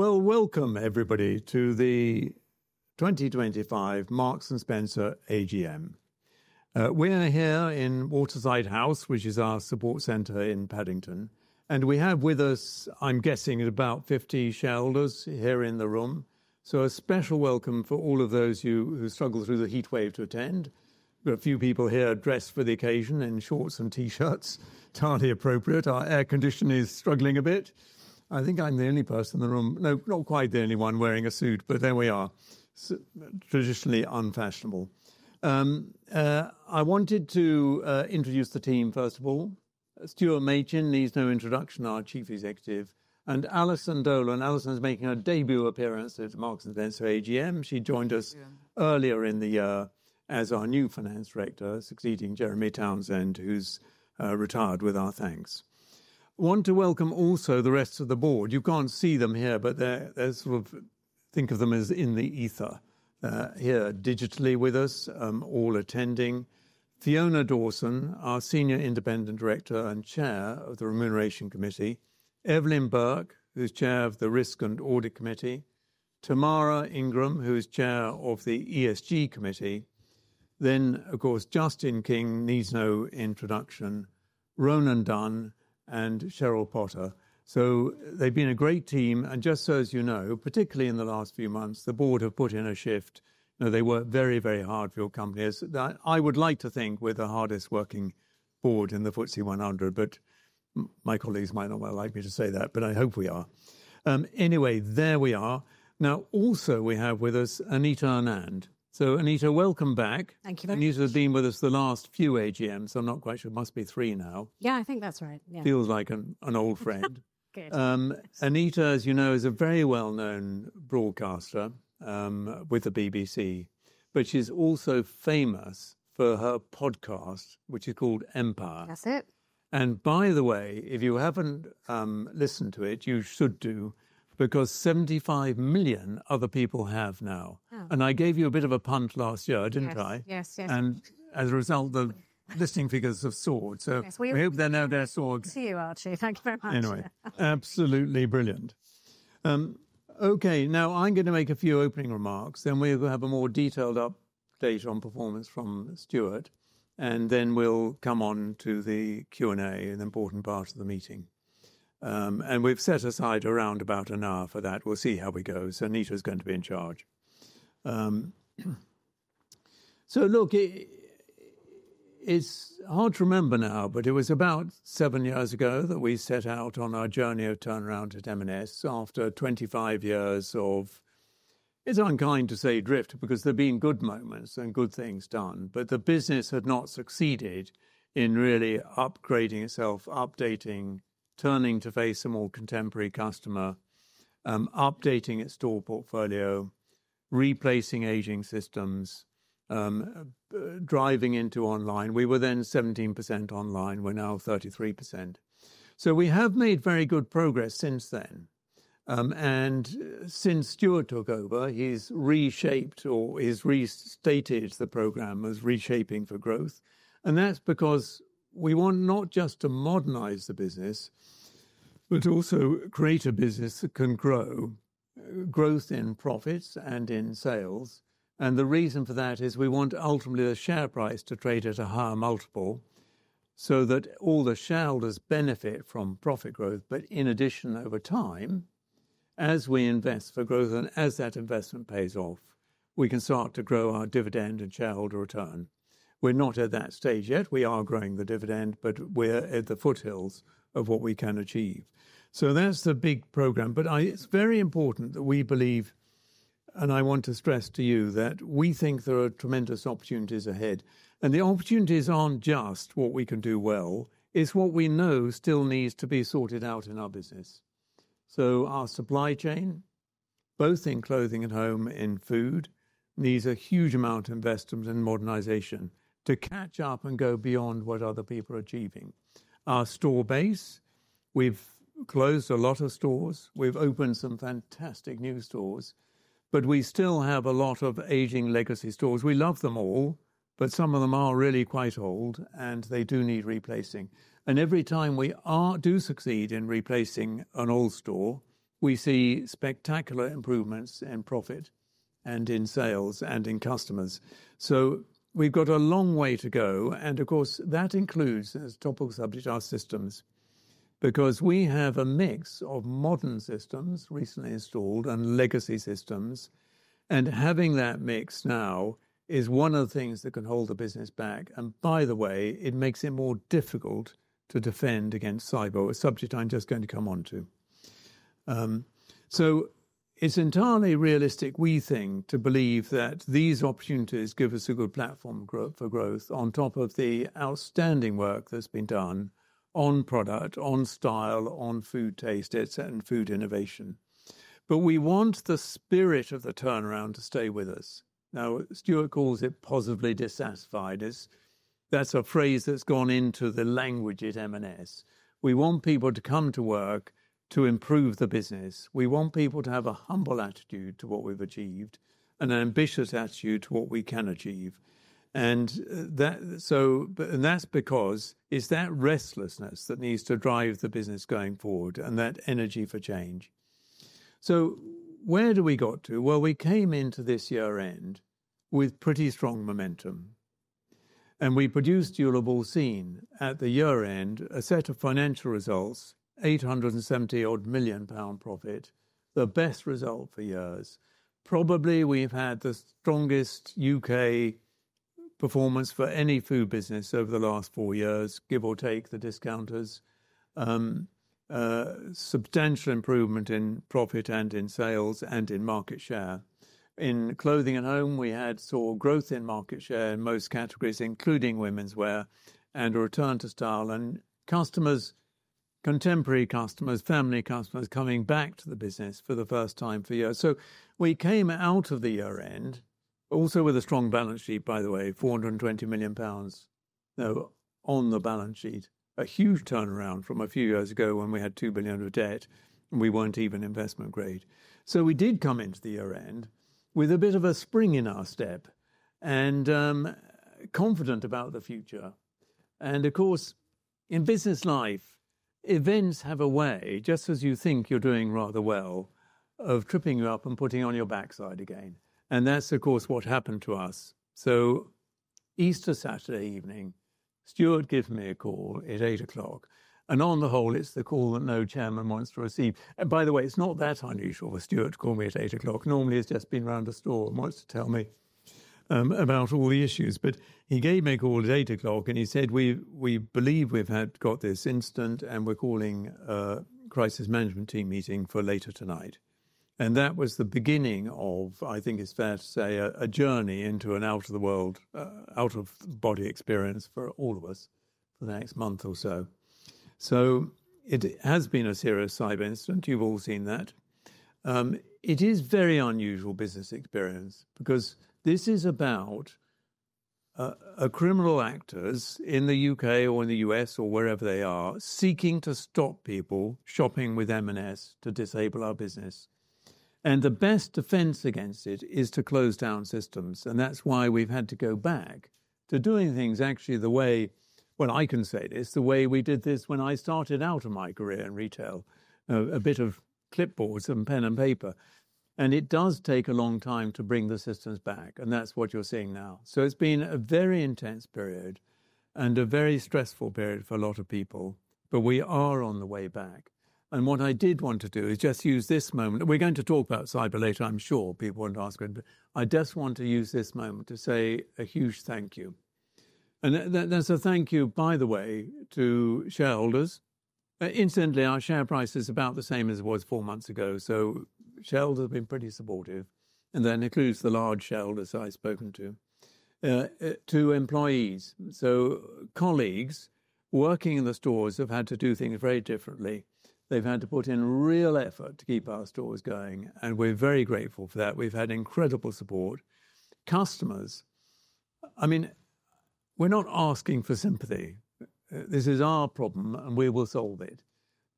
Welcome everybody to the 2025 Marks & Spencer AGM. We are here in Waterside House, which is our support center in Paddington, and we have with us, I am guessing, about 50 shareholders here in the room. A special welcome for all of those who struggled through the heat wave to attend. There are a few people here dressed for the occasion in shorts and t-shirts, entirely appropriate. Our air conditioner is struggling a bit. I think I am the only person in the room—no, not quite the only one wearing a suit, but there we are, traditionally unfashionable. I wanted to introduce the team, first of all. Stuart Machin needs no introduction, our Chief Executive, and Alison Dolan. Alison is making a debut appearance at Marks & Spencer AGM. She joined us earlier in the year as our new Finance Director, succeeding Jeremy Townsend, who has retired, with our thanks. I want to welcome also the rest of the board. You cannot see them here, but they are sort of—think of them as in the ether here digitally with us, all attending. Fiona Dawson, our Senior Independent Director and Chair of the Remuneration Committee. Evelyn Bourke, who is Chair of the Risk and Audit Committee. Tamara Ingram, who is Chair of the ESG Committee. Of course, Justin King needs no introduction. Ronan Dunne and Cheryl Potter. They have been a great team. Just so you know, particularly in the last few months, the board have put in a shift. You know, they work very, very hard for your company. I would like to think we are the hardest working board in the FTSE 100, but my colleagues might not like me to say that, but I hope we are. Anyway, there we are. Now, also we have with us Anita Anand. So, Anita, welcome back. Thank you very much. You have been with us the last few AGMs. I'm not quite sure. It must be three now. Yeah, I think that's right. Yeah. Feels like an old friend. Good. Anita, as you know, is a very well-known broadcaster with the BBC, but she's also famous for her podcast, which is called Empire. That's it. By the way, if you haven't listened to it, you should do, because 75 million other people have now. I gave you a bit of a punt last year, didn't I? Yes, yes. As a result, the listening figures have soared. I hope they're now there soared. To you, Archie. Thank you very much. Anyway, absolutely brilliant. Okay, now I'm going to make a few opening remarks, then we'll have a more detailed update on performance from Stuart, and then we'll come on to the Q&A, an important part of the meeting. We have set aside around about an hour for that. We'll see how we go. Anita's going to be in charge. Look, it's hard to remember now, but it was about seven years ago that we set out on our journey of turnaround at M&S after 25 years of—it's unkind to say drift, because there have been good moments and good things done, but the business had not succeeded in really upgrading itself, updating, turning to face a more contemporary customer, updating its store portfolio, replacing aging systems, driving into online. We were then 17% online. We're now 33%. We have made very good progress since then. Since Stuart took over, he's reshaped or he's restated the program as reshaping for growth. That is because we want not just to modernize the business, but also create a business that can grow—growth in profits and in sales. The reason for that is we want ultimately the share price to trade at a higher multiple so that all the shareholders benefit from profit growth. In addition, over time, as we invest for growth and as that investment pays off, we can start to grow our dividend and shareholder return. We're not at that stage yet. We are growing the dividend, but we're at the foothills of what we can achieve. That is the big program. It is very important that we believe, and I want to stress to you that we think there are tremendous opportunities ahead. The opportunities are not just what we can do well; it is what we know still needs to be sorted out in our business. Our supply chain, both in clothing and home and in food, needs a huge amount of investment and modernization to catch up and go beyond what other people are achieving. Our store base, we have closed a lot of stores. We have opened some fantastic new stores, but we still have a lot of aging legacy stores. We love them all, but some of them are really quite old, and they do need replacing. Every time we do succeed in replacing an old store, we see spectacular improvements in profit and in sales and in customers. We have a long way to go. Of course, that includes, as a topical subject, our systems, because we have a mix of modern systems recently installed and legacy systems. Having that mix now is one of the things that can hold the business back. By the way, it makes it more difficult to defend against cyber, a subject I'm just going to come on to. It is entirely realistic, we think, to believe that these opportunities give us a good platform for growth on top of the outstanding work that has been done on product, on style, on food taste, and certain food innovation. We want the spirit of the turnaround to stay with us. Stuart calls it positively dissatisfied. That is a phrase that has gone into the language at M&S. We want people to come to work to improve the business. We want people to have a humble attitude to what we've achieved and an ambitious attitude to what we can achieve. That is because it is that restlessness that needs to drive the business going forward and that energy for change. Where do we got to? We came into this year-end with pretty strong momentum, and we produced, you will have seen at the year-end, a set of financial results, 870 million pound profit, the best result for years. Probably we've had the strongest U.K. performance for any food business over the last four years, give or take the discounters. Substantial improvement in profit and in sales and in market share. In clothing and home, we had saw growth in market share in most categories, including women's wear and return to style, and customers, contemporary customers, family customers coming back to the business for the first time for years. We came out of the year-end also with a strong balance sheet, by the way, 420 million pounds on the balance sheet. A huge turnaround from a few years ago when we had 2 billion of debt and we were not even investment grade. We did come into the year-end with a bit of a spring in our step and confident about the future. Of course, in business life, events have a way, just as you think you are doing rather well, of tripping you up and putting you on your backside again. That is, of course, what happened to us. Easter Saturday evening, Stuart gives me a call at 8:00 P.M., and on the whole, it is the call that no chairman wants to receive. By the way, it is not that unusual for Stuart to call me at 8:00 P.M. Normally, he's just been around the store and wants to tell me about all the issues. He gave me a call at 8:00 P.M., and he said, "We believe we've got this incident, and we're calling a crisis management team meeting for later tonight." That was the beginning of, I think it's fair to say, a journey into an out-of-the-world, out-of-body experience for all of us for the next month or so. It has been a serious cyber incident. You've all seen that. It is a very unusual business experience because this is about criminal actors in the U.K. or in the U.S. or wherever they are seeking to stop people shopping with M&S to disable our business. The best defense against it is to close down systems. That is why we have had to go back to doing things actually the way—I can say this—the way we did this when I started out my career in retail, a bit of clipboards and pen and paper. It does take a long time to bring the systems back, and that is what you are seeing now. It has been a very intense period and a very stressful period for a lot of people, but we are on the way back. What I did want to do is just use this moment—we are going to talk about cyber later, I am sure people want to ask it—I just want to use this moment to say a huge thank you. There is a thank you, by the way, to shareholders. Incidentally, our share price is about the same as it was four months ago. Shareholders have been pretty supportive. That includes the large shareholders I've spoken to. To employees, so colleagues working in the stores have had to do things very differently. They've had to put in real effort to keep our stores going, and we're very grateful for that. We've had incredible support. Customers, I mean, we're not asking for sympathy. This is our problem, and we will solve it.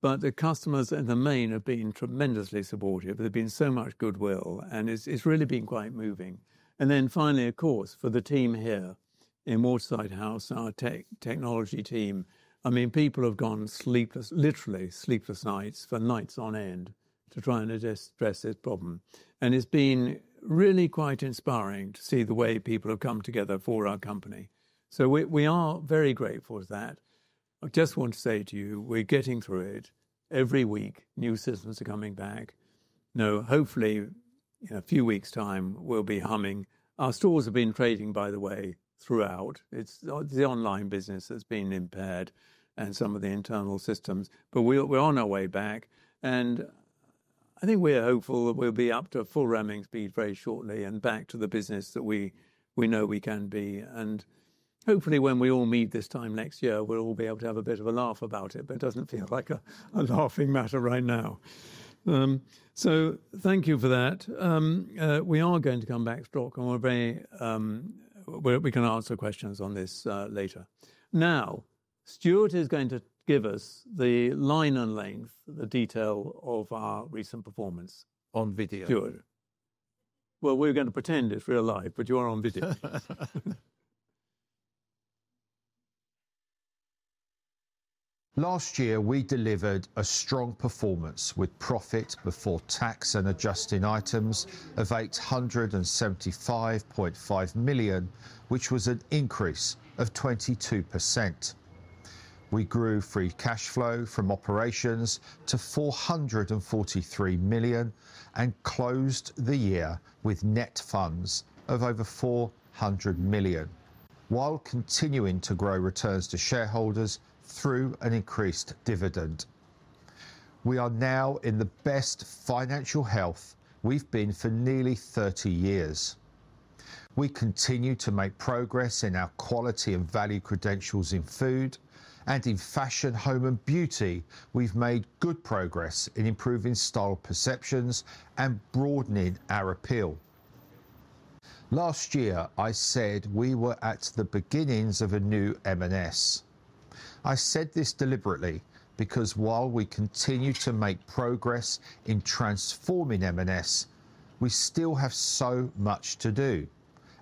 The customers in the main have been tremendously supportive. There's been so much goodwill, and it's really been quite moving. Finally, of course, for the team here in Waterside House, our technology team, I mean, people have gone sleepless, literally sleepless nights for nights on end to try and address this problem. It's been really quite inspiring to see the way people have come together for our company. We are very grateful for that. I just want to say to you, we're getting through it. Every week, new systems are coming back. Now, hopefully, in a few weeks' time, we'll be humming. Our stores have been trading, by the way, throughout. It's the online business that's been impaired and some of the internal systems. We're on our way back. I think we're hopeful that we'll be up to full roaming speed very shortly and back to the business that we know we can be. Hopefully, when we all meet this time next year, we'll all be able to have a bit of a laugh about it, but it doesn't feel like a laughing matter right now. Thank you for that. We are going to come back to talk, and we can answer questions on this later. Now, Stuart is going to give us the line and length, the detail of our recent performance. On video. Good. We are going to pretend that you're live, but you are on video. Last year, we delivered a strong performance with profit before tax and adjusting items of 875.5 million, which was an increase of 22%. We grew free cash flow from operations to 443 million and closed the year with net funds of over 400 million, while continuing to grow returns to shareholders through an increased dividend. We are now in the best financial health we have been for nearly 30 years. We continue to make progress in our quality and value credentials in food and in fashion, home, and beauty. We have made good progress in improving style perceptions and broadening our appeal. Last year, I said we were at the beginnings of a new M&S. I said this deliberately because while we continue to make progress in transforming M&S, we still have so much to do,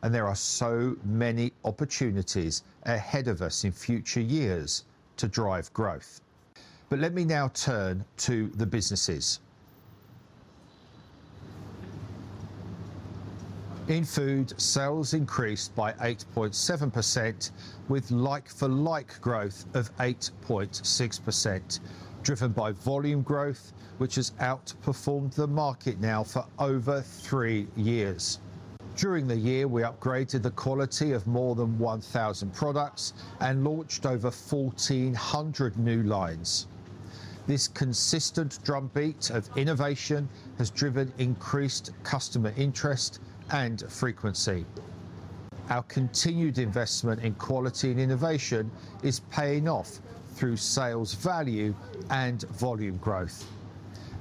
and there are so many opportunities ahead of us in future years to drive growth. Let me now turn to the businesses. In food, sales increased by 8.7%, with like-for-like growth of 8.6%, driven by volume growth, which has outperformed the market now for over three years. During the year, we upgraded the quality of more than 1,000 products and launched over 1,400 new lines. This consistent drumbeat of innovation has driven increased customer interest and frequency. Our continued investment in quality and innovation is paying off through sales value and volume growth.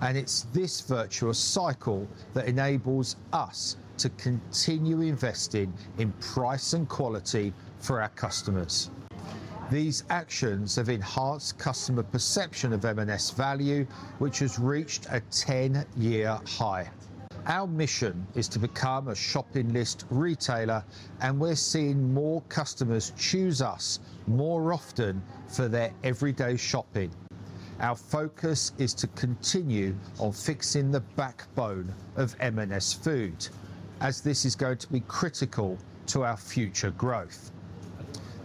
It is this virtuous cycle that enables us to continue investing in price and quality for our customers. These actions have enhanced customer perception of M&S value, which has reached a 10-year high. Our mission is to become a shopping list retailer, and we are seeing more customers choose us more often for their everyday shopping. Our focus is to continue on fixing the backbone of M&S food, as this is going to be critical to our future growth.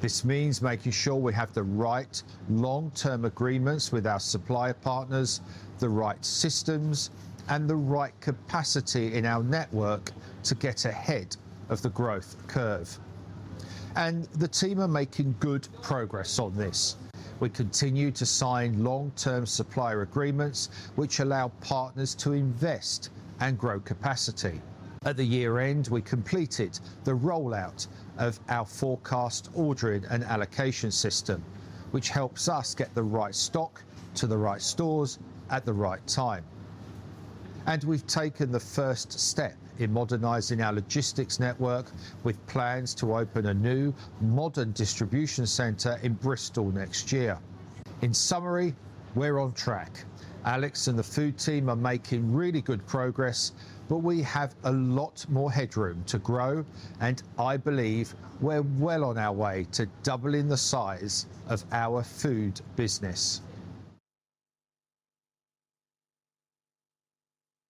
This means making sure we have the right long-term agreements with our supplier partners, the right systems, and the right capacity in our network to get ahead of the growth curve. The team are making good progress on this. We continue to sign long-term supplier agreements, which allow partners to invest and grow capacity. At the year-end, we completed the rollout of our forecast ordering and allocation system, which helps us get the right stock to the right stores at the right time. We have taken the first step in modernizing our logistics network with plans to open a new modern distribution center in Bristol next year. In summary, we are on track. Alex and the food team are making really good progress, but we have a lot more headroom to grow, and I believe we're well on our way to doubling the size of our food business.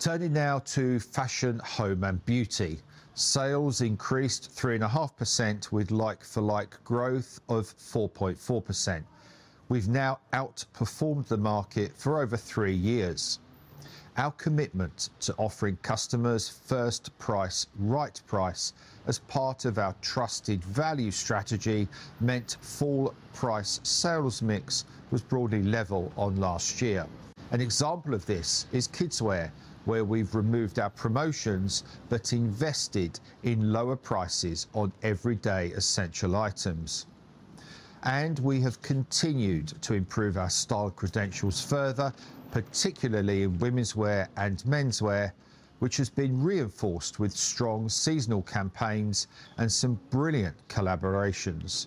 Turning now to fashion, home, and beauty. Sales increased 3.5% with like-for-like growth of 4.4%. We've now outperformed the market for over three years. Our commitment to offering customers first price, right price as part of our trusted value strategy meant full price sales mix was broadly level on last year. An example of this is kidswear, where we've removed our promotions but invested in lower prices on everyday essential items. We have continued to improve our style credentials further, particularly in women's wear and menswear, which has been reinforced with strong seasonal campaigns and some brilliant collaborations.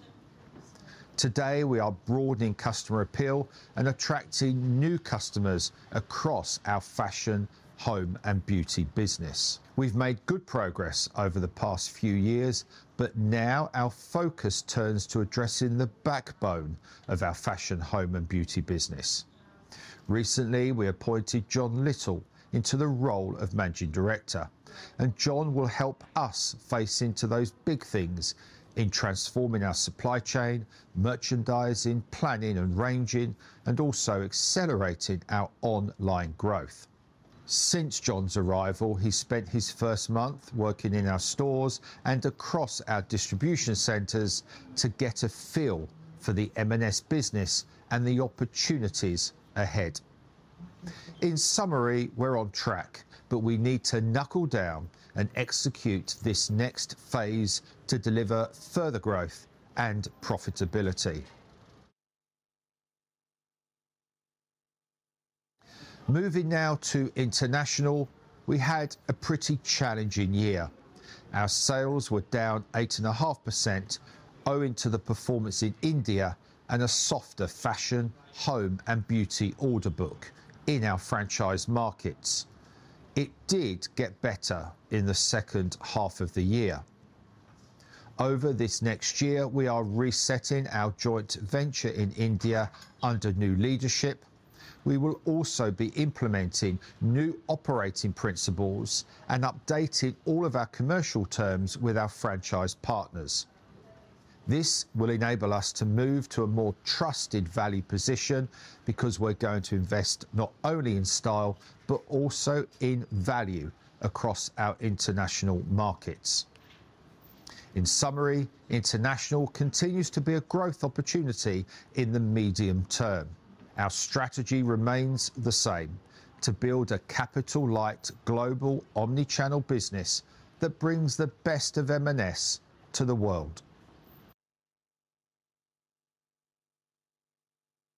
Today, we are broadening customer appeal and attracting new customers across our fashion, home, and beauty business. We've made good progress over the past few years, but now our focus turns to addressing the backbone of our fashion, home, and beauty business. Recently, we appointed John Lyttle into the role of Managing Director, and John will help us face into those big things in transforming our supply chain, merchandising, planning and ranging, and also accelerating our online growth. Since John's arrival, he spent his first month working in our stores and across our distribution centers to get a feel for the M&S business and the opportunities ahead. In summary, we're on track, but we need to knuckle down and execute this next phase to deliver further growth and profitability. Moving now to international, we had a pretty challenging year. Our sales were down 8.5% owing to the performance in India and a softer fashion, home, and beauty order book in our franchise markets. It did get better in the second half of the year. Over this next year, we are resetting our joint venture in India under new leadership. We will also be implementing new operating principles and updating all of our commercial terms with our franchise partners. This will enable us to move to a more trusted value position because we're going to invest not only in style but also in value across our international markets. In summary, international continues to be a growth opportunity in the medium term. Our strategy remains the same: to build a capital-light global omnichannel business that brings the best of M&S to the world.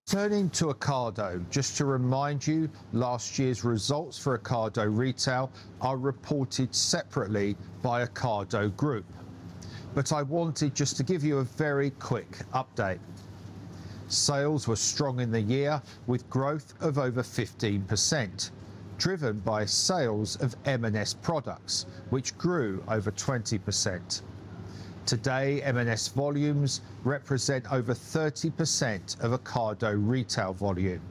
Turning to Ocado, just to remind you, last year's results for Ocado Retail are reported separately by Ocado Group. I wanted just to give you a very quick update. Sales were strong in the year, with growth of over 15%, driven by sales of M&S products, which grew over 20%. Today, M&S volumes represent over 30% of Ocado Retail volume.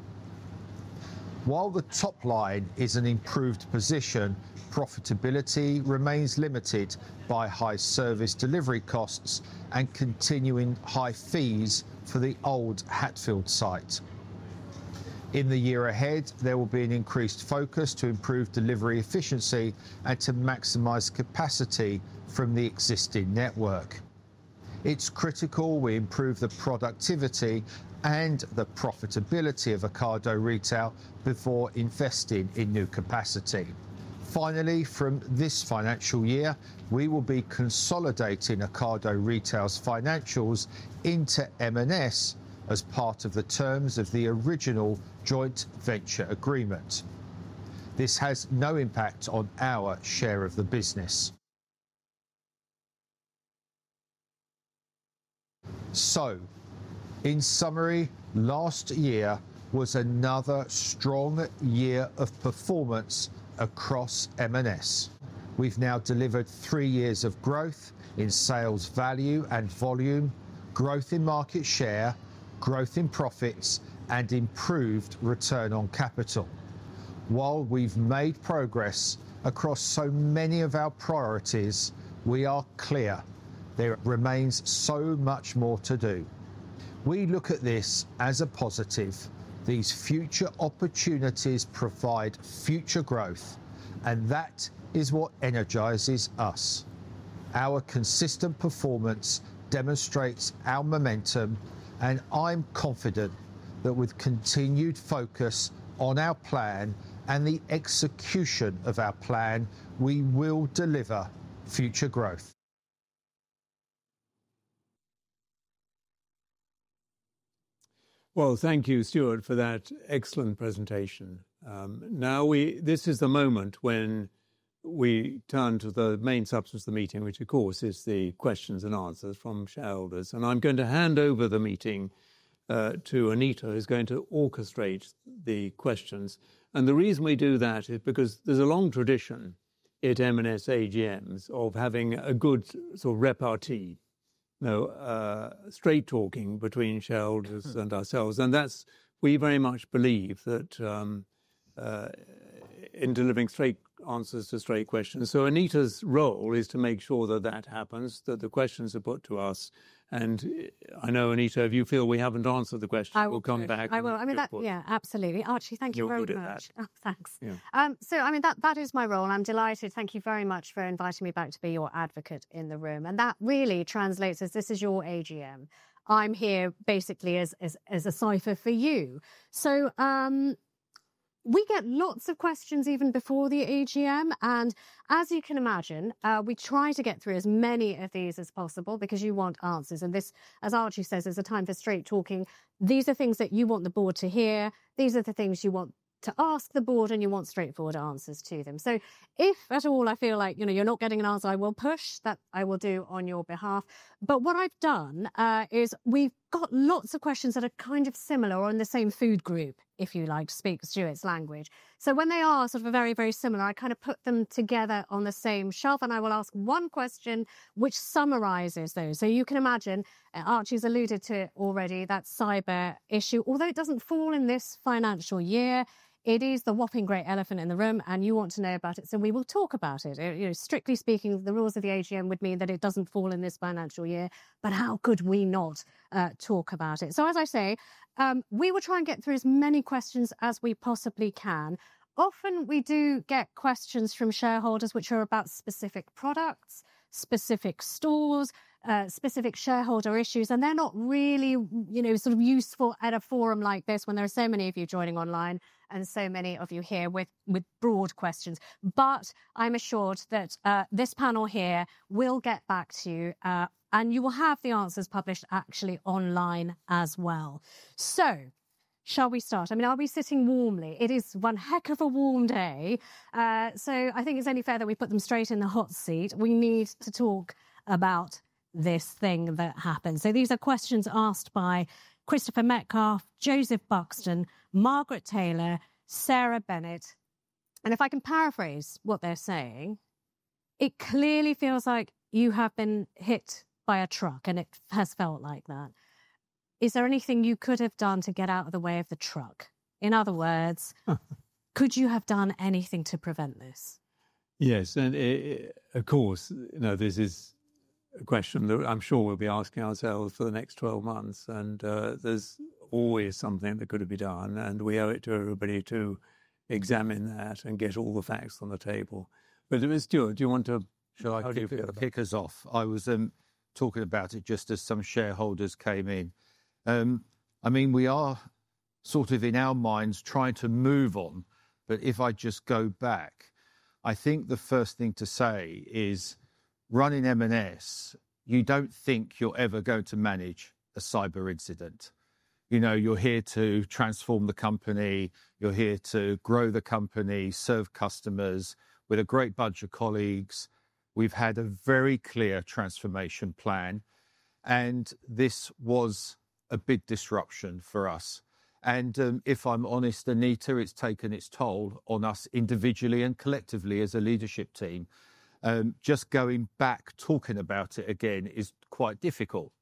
While the top line is an improved position, profitability remains limited by high service delivery costs and continuing high fees for the old Hatfield site. In the year ahead, there will be an increased focus to improve delivery efficiency and to maximize capacity from the existing network. It is critical we improve the productivity and the profitability of Ocado Retail before investing in new capacity. Finally, from this financial year, we will be consolidating Ocado Retail's financials into M&S as part of the terms of the original joint venture agreement. This has no impact on our share of the business. In summary, last year was another strong year of performance across M&S. We have now delivered three years of growth in sales value and volume, growth in market share, growth in profits, and improved return on capital. While we have made progress across so many of our priorities, we are clear there remains so much more to do. We look at this as a positive. These future opportunities provide future growth, and that is what energizes us. Our consistent performance demonstrates our momentum, and I am confident that with continued focus on our plan and the execution of our plan, we will deliver future growth. Thank you, Stuart, for that excellent presentation. This is the moment when we turn to the main substance of the meeting, which, of course, is the questions and answers from shareholders. I'm going to hand over the meeting to Anita, who's going to orchestrate the questions. The reason we do that is because there's a long tradition at M&S AGMs of having a good sort of repartee, straight talking between shareholders and ourselves. We very much believe in delivering straight answers to straight questions. Anita's role is to make sure that that happens, that the questions are put to us. I know, Anita, if you feel we haven't answered the question, we'll come back. I will. I mean, that, yeah, absolutely. Archie, thank you very much. You're good at that. Thanks. I mean, that is my role. I'm delighted. Thank you very much for inviting me back to be your advocate in the room. That really translates as this is your AGM. I'm here basically as a cipher for you. We get lots of questions even before the AGM. As you can imagine, we try to get through as many of these as possible because you want answers. This, as Archie says, is a time for straight talking. These are things that you want the board to hear. These are the things you want to ask the board, and you want straightforward answers to them. If at all I feel like, you know, you're not getting an answer, I will push that. I will do on your behalf. But what I've done is we've got lots of questions that are kind of similar or in the same food group, if you like, to speak Stuart's language. When they are sort of very, very similar, I kind of put them together on the same shelf, and I will ask one question which summarizes those. You can imagine Archie's alluded to it already, that cyber issue. Although it does not fall in this financial year, it is the whopping great elephant in the room, and you want to know about it. We will talk about it. Strictly speaking, the rules of the AGM would mean that it does not fall in this financial year, but how could we not talk about it? As I say, we will try and get through as many questions as we possibly can. Often we do get questions from shareholders which are about specific products, specific stores, specific shareholder issues, and they're not really sort of useful at a forum like this when there are so many of you joining online and so many of you here with broad questions. I'm assured that this panel here will get back to you, and you will have the answers published actually online as well. Shall we start? I mean, are we sitting warmly? It is one heck of a warm day. I think it's only fair that we put them straight in the hot seat. We need to talk about this thing that happened. These are questions asked by Christopher Metcalf, Joseph Buxton, Margaret Taylor, Sarah Bennett. If I can paraphrase what they're saying, it clearly feels like you have been hit by a truck, and it has felt like that. Is there anything you could have done to get out of the way of the truck? In other words, could you have done anything to prevent this? Yes. Of course, this is a question that I'm sure we'll be asking ourselves for the next 12 months. There's always something that could have been done. We owe it to everybody to examine that and get all the facts on the table. Stuart, do you want to? Shall I kick us off? I was talking about it just as some shareholders came in. I mean, we are sort of in our minds trying to move on. If I just go back, I think the first thing to say is running M&S, you don't think you are ever going to manage a cyber incident. You are here to transform the company. You are here to grow the company, serve customers with a great bunch of colleagues. We have had a very clear transformation plan, and this was a big disruption for us. If I am honest, Anita, it has taken its toll on us individually and collectively as a leadership team. Just going back, talking about it again is quite difficult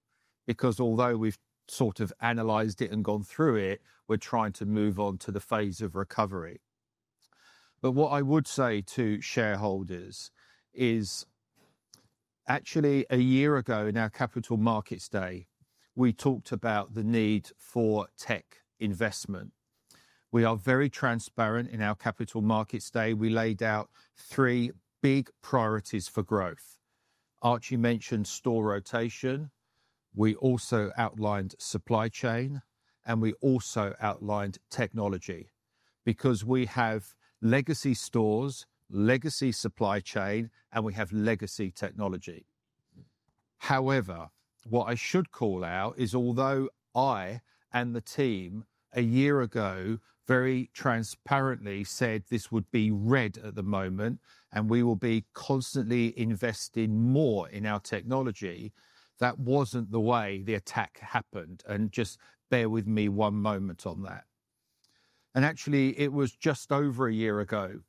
because although we have sort of analyzed it and gone through it, we are trying to move on to the phase of recovery. What I would say to shareholders is actually a year ago in our capital markets day, we talked about the need for tech investment. We are very transparent in our capital markets day. We laid out three big priorities for growth. Archie mentioned store rotation. We also outlined supply chain, and we also outlined technology because we have legacy stores, legacy supply chain, and we have legacy technology. However, what I should call out is although I and the team a year ago very transparently said this would be red at the moment and we will be constantly investing more in our technology, that was not the way the attack happened. Just bear with me one moment on that. Actually, it was just over a year ago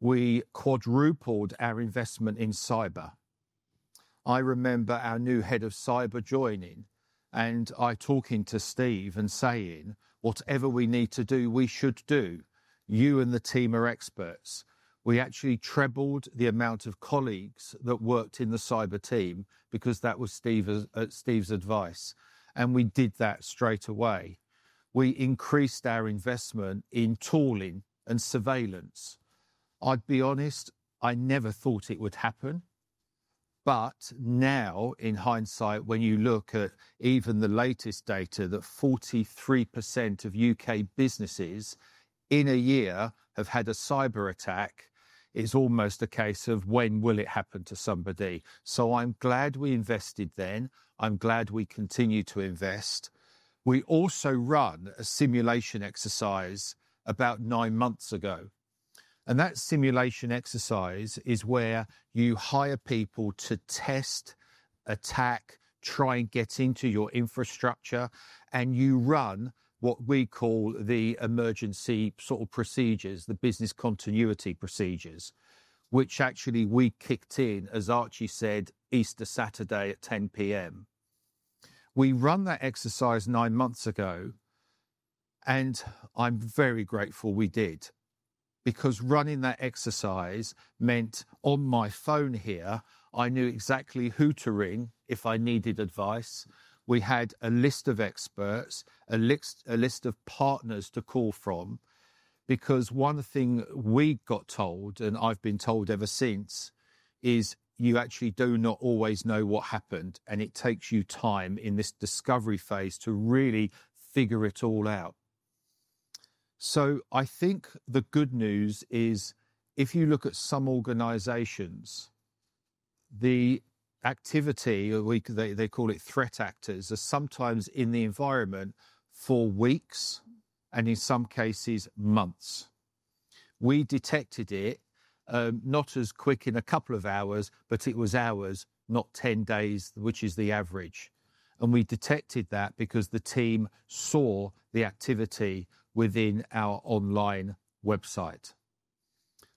we quadrupled our investment in cyber. I remember our new head of cyber joining and I talking to Steve and saying, "Whatever we need to do, we should do. You and the team are experts." We actually trebled the amount of colleagues that worked in the cyber team because that was Steve's advice. We did that straight away. We increased our investment in tooling and surveillance. I'd be honest, I never thought it would happen. Now, in hindsight, when you look at even the latest data, that 43% of U.K. businesses in a year have had a cyber attack, it's almost a case of when will it happen to somebody. I'm glad we invested then. I'm glad we continue to invest. We also run a simulation exercise about nine months ago. That simulation exercise is where you hire people to test, attack, try and get into your infrastructure, and you run what we call the emergency sort of procedures, the business continuity procedures, which actually we kicked in, as Archie said, Easter Saturday at 10:00 P.M. We ran that exercise nine months ago, and I'm very grateful we did because running that exercise meant on my phone here, I knew exactly who to ring if I needed advice. We had a list of experts, a list of partners to call from because one thing we got told, and I've been told ever since, is you actually do not always know what happened, and it takes you time in this discovery phase to really figure it all out. I think the good news is if you look at some organizations, the activity, or they call it threat actors, are sometimes in the environment for weeks and in some cases months. We detected it not as quick in a couple of hours, but it was hours, not 10 days, which is the average. We detected that because the team saw the activity within our online website.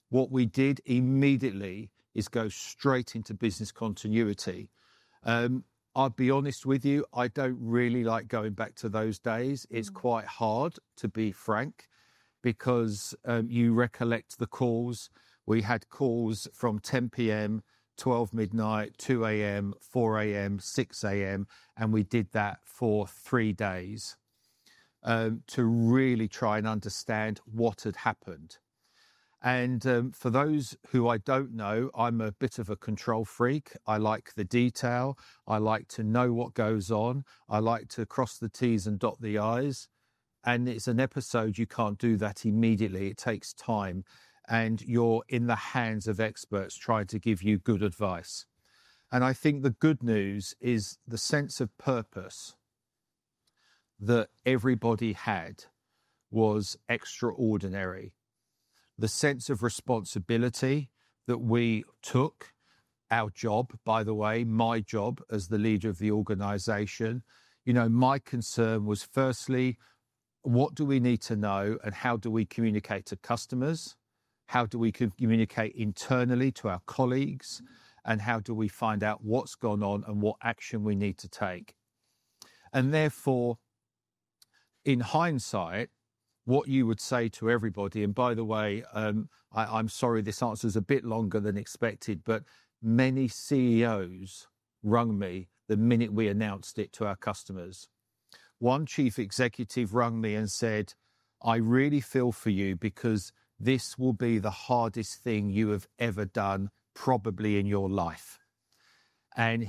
What we did immediately is go straight into business continuity. I'll be honest with you, I do not really like going back to those days. It is quite hard, to be frank, because you recollect the calls. We had calls from 10:00 P.M., 12:00 midnight, 2:00 A.M., 4:00 A.M., 6:00 A.M., and we did that for three days to really try and understand what had happened. For those who do not know, I am a bit of a control freak. I like the detail. I like to know what goes on. I like to cross the T's and dot the I's. It's an episode you can't do that immediately. It takes time. You're in the hands of experts trying to give you good advice. I think the good news is the sense of purpose that everybody had was extraordinary. The sense of responsibility that we took our job, by the way, my job as the leader of the organization, you know, my concern was firstly, what do we need to know and how do we communicate to customers? How do we communicate internally to our colleagues? How do we find out what's gone on and what action we need to take? Therefore, in hindsight, what you would say to everybody, and by the way, I'm sorry, this answer is a bit longer than expected, but many CEOs rang me the minute we announced it to our customers. One chief executive rang me and said, "I really feel for you because this will be the hardest thing you have ever done, probably in your life."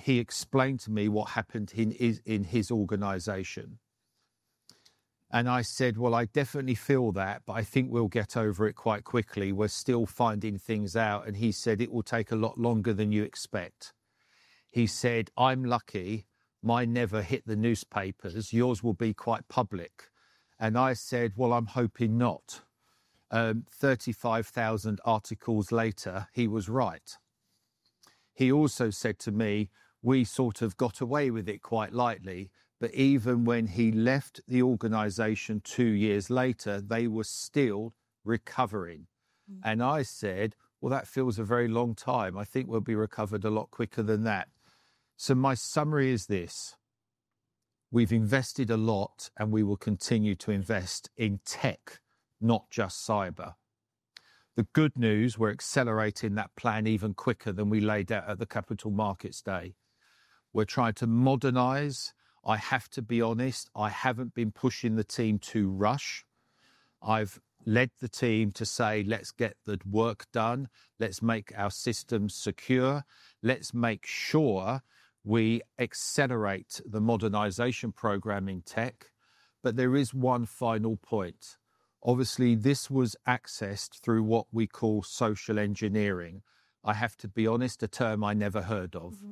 He explained to me what happened in his organization. I said, "I definitely feel that, but I think we'll get over it quite quickly. We're still finding things out." He said, "It will take a lot longer than you expect." He said, "I'm lucky. Mine never hit the newspapers. Yours will be quite public." I said, "I'm hoping not." 35,000 articles later, he was right. He also said to me, "We sort of got away with it quite lightly." Even when he left the organization two years later, they were still recovering. I said, "That feels a very long time. I think we'll be recovered a lot quicker than that." My summary is this: we've invested a lot, and we will continue to invest in tech, not just cyber. The good news, we're accelerating that plan even quicker than we laid out at the capital markets day. We're trying to modernize. I have to be honest, I haven't been pushing the team to rush. I've led the team to say, "Let's get the work done. Let's make our systems secure. Let's make sure we accelerate the modernization program in tech." There is one final point. Obviously, this was accessed through what we call social engineering. I have to be honest, a term I never heard of.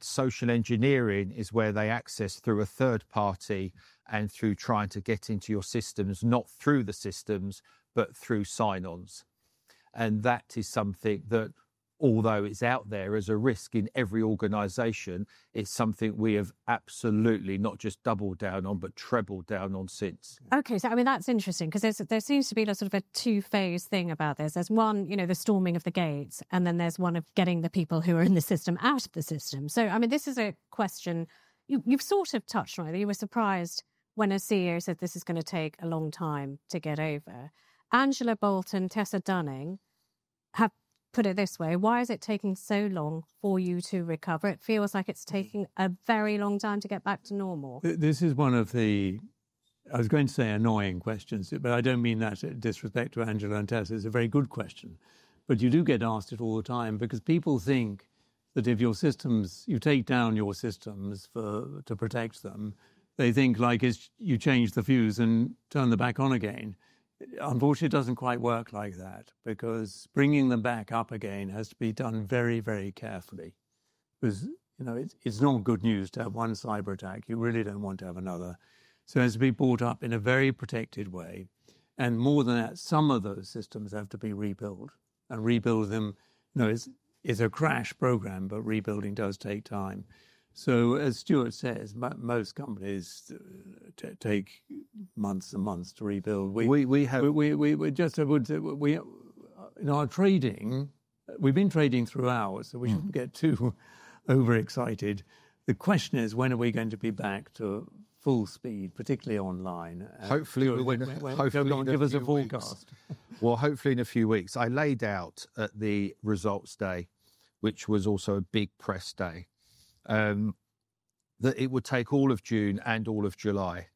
Social engineering is where they access through a third party and through trying to get into your systems, not through the systems, but through sign-ons. That is something that, although it's out there as a risk in every organization, it's something we have absolutely not just doubled down on, but trebled down on since. Okay. I mean, that's interesting because there seems to be sort of a two-phase thing about this. There's one, you know, the storming of the gates, and then there's one of getting the people who are in the system out of the system. I mean, this is a question you've sort of touched on earlier. You were surprised when a CEO said, "This is going to take a long time to get over." Angela Bolton, Tessa Dunning have put it this way: why is it taking so long for you to recover? It feels like it's taking a very long time to get back to normal. This is one of the, I was going to say annoying questions, but I do not mean that in disrespect to Angela and Tessa. It is a very good question. You do get asked it all the time because people think that if your systems, you take down your systems to protect them, they think like you change the fuse and turn them back on again. Unfortunately, it does not quite work like that because bringing them back up again has to be done very, very carefully. It is not good news to have one cyber attack. You really do not want to have another. It has to be brought up in a very protected way. More than that, some of those systems have to be rebuilt and rebuild them. It is a crash program, but rebuilding does take time. As Stuart says, most companies take months and months to rebuild. We just would say in our trading, we've been trading through hours, so we shouldn't get too overexcited. The question is, when are we going to be back to full speed, particularly online? Hopefully, we'll give us a forecast. Hopefully in a few weeks. I laid out at the results day, which was also a big press day, that it would take all of June and all of July,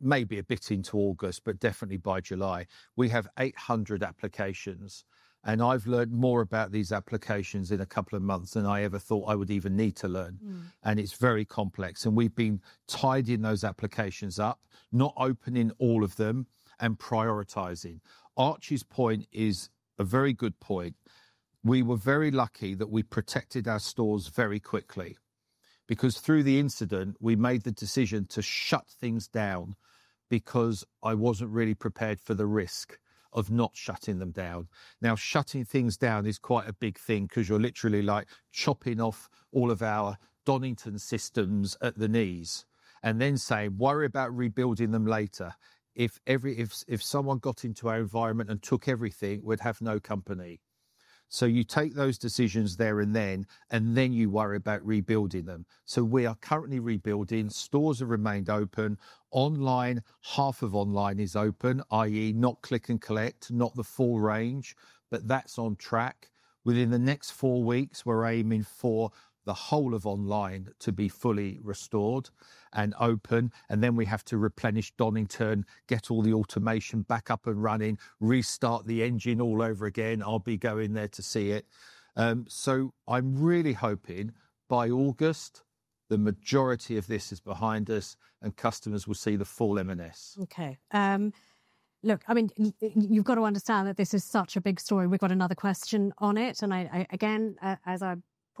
maybe a bit into August, but definitely by July. We have 800 applications, and I've learned more about these applications in a couple of months than I ever thought I would even need to learn. It is very complex. We have been tidying those applications up, not opening all of them and prioritizing. Archie's point is a very good point. We were very lucky that we protected our stores very quickly because through the incident, we made the decision to shut things down because I was not really prepared for the risk of not shutting them down. Now, shutting things down is quite a big thing because you're literally like chopping off all of our Donington systems at the knees and then saying, "Worry about rebuilding them later." If someone got into our environment and took everything, we'd have no company. You take those decisions there and then, and then you worry about rebuilding them. We are currently rebuilding. Stores have remained open. Online, half of online is open, i.e., not click and collect, not the full range, but that is on track. Within the next four weeks, we're aiming for the whole of online to be fully restored and open. We have to replenish Donington, get all the automation back up and running, restart the engine all over again. I'll be going there to see it. I'm really hoping by August, the majority of this is behind us and customers will see the full M&S. Okay. Look, I mean, you've got to understand that this is such a big story. We've got another question on it. Again, as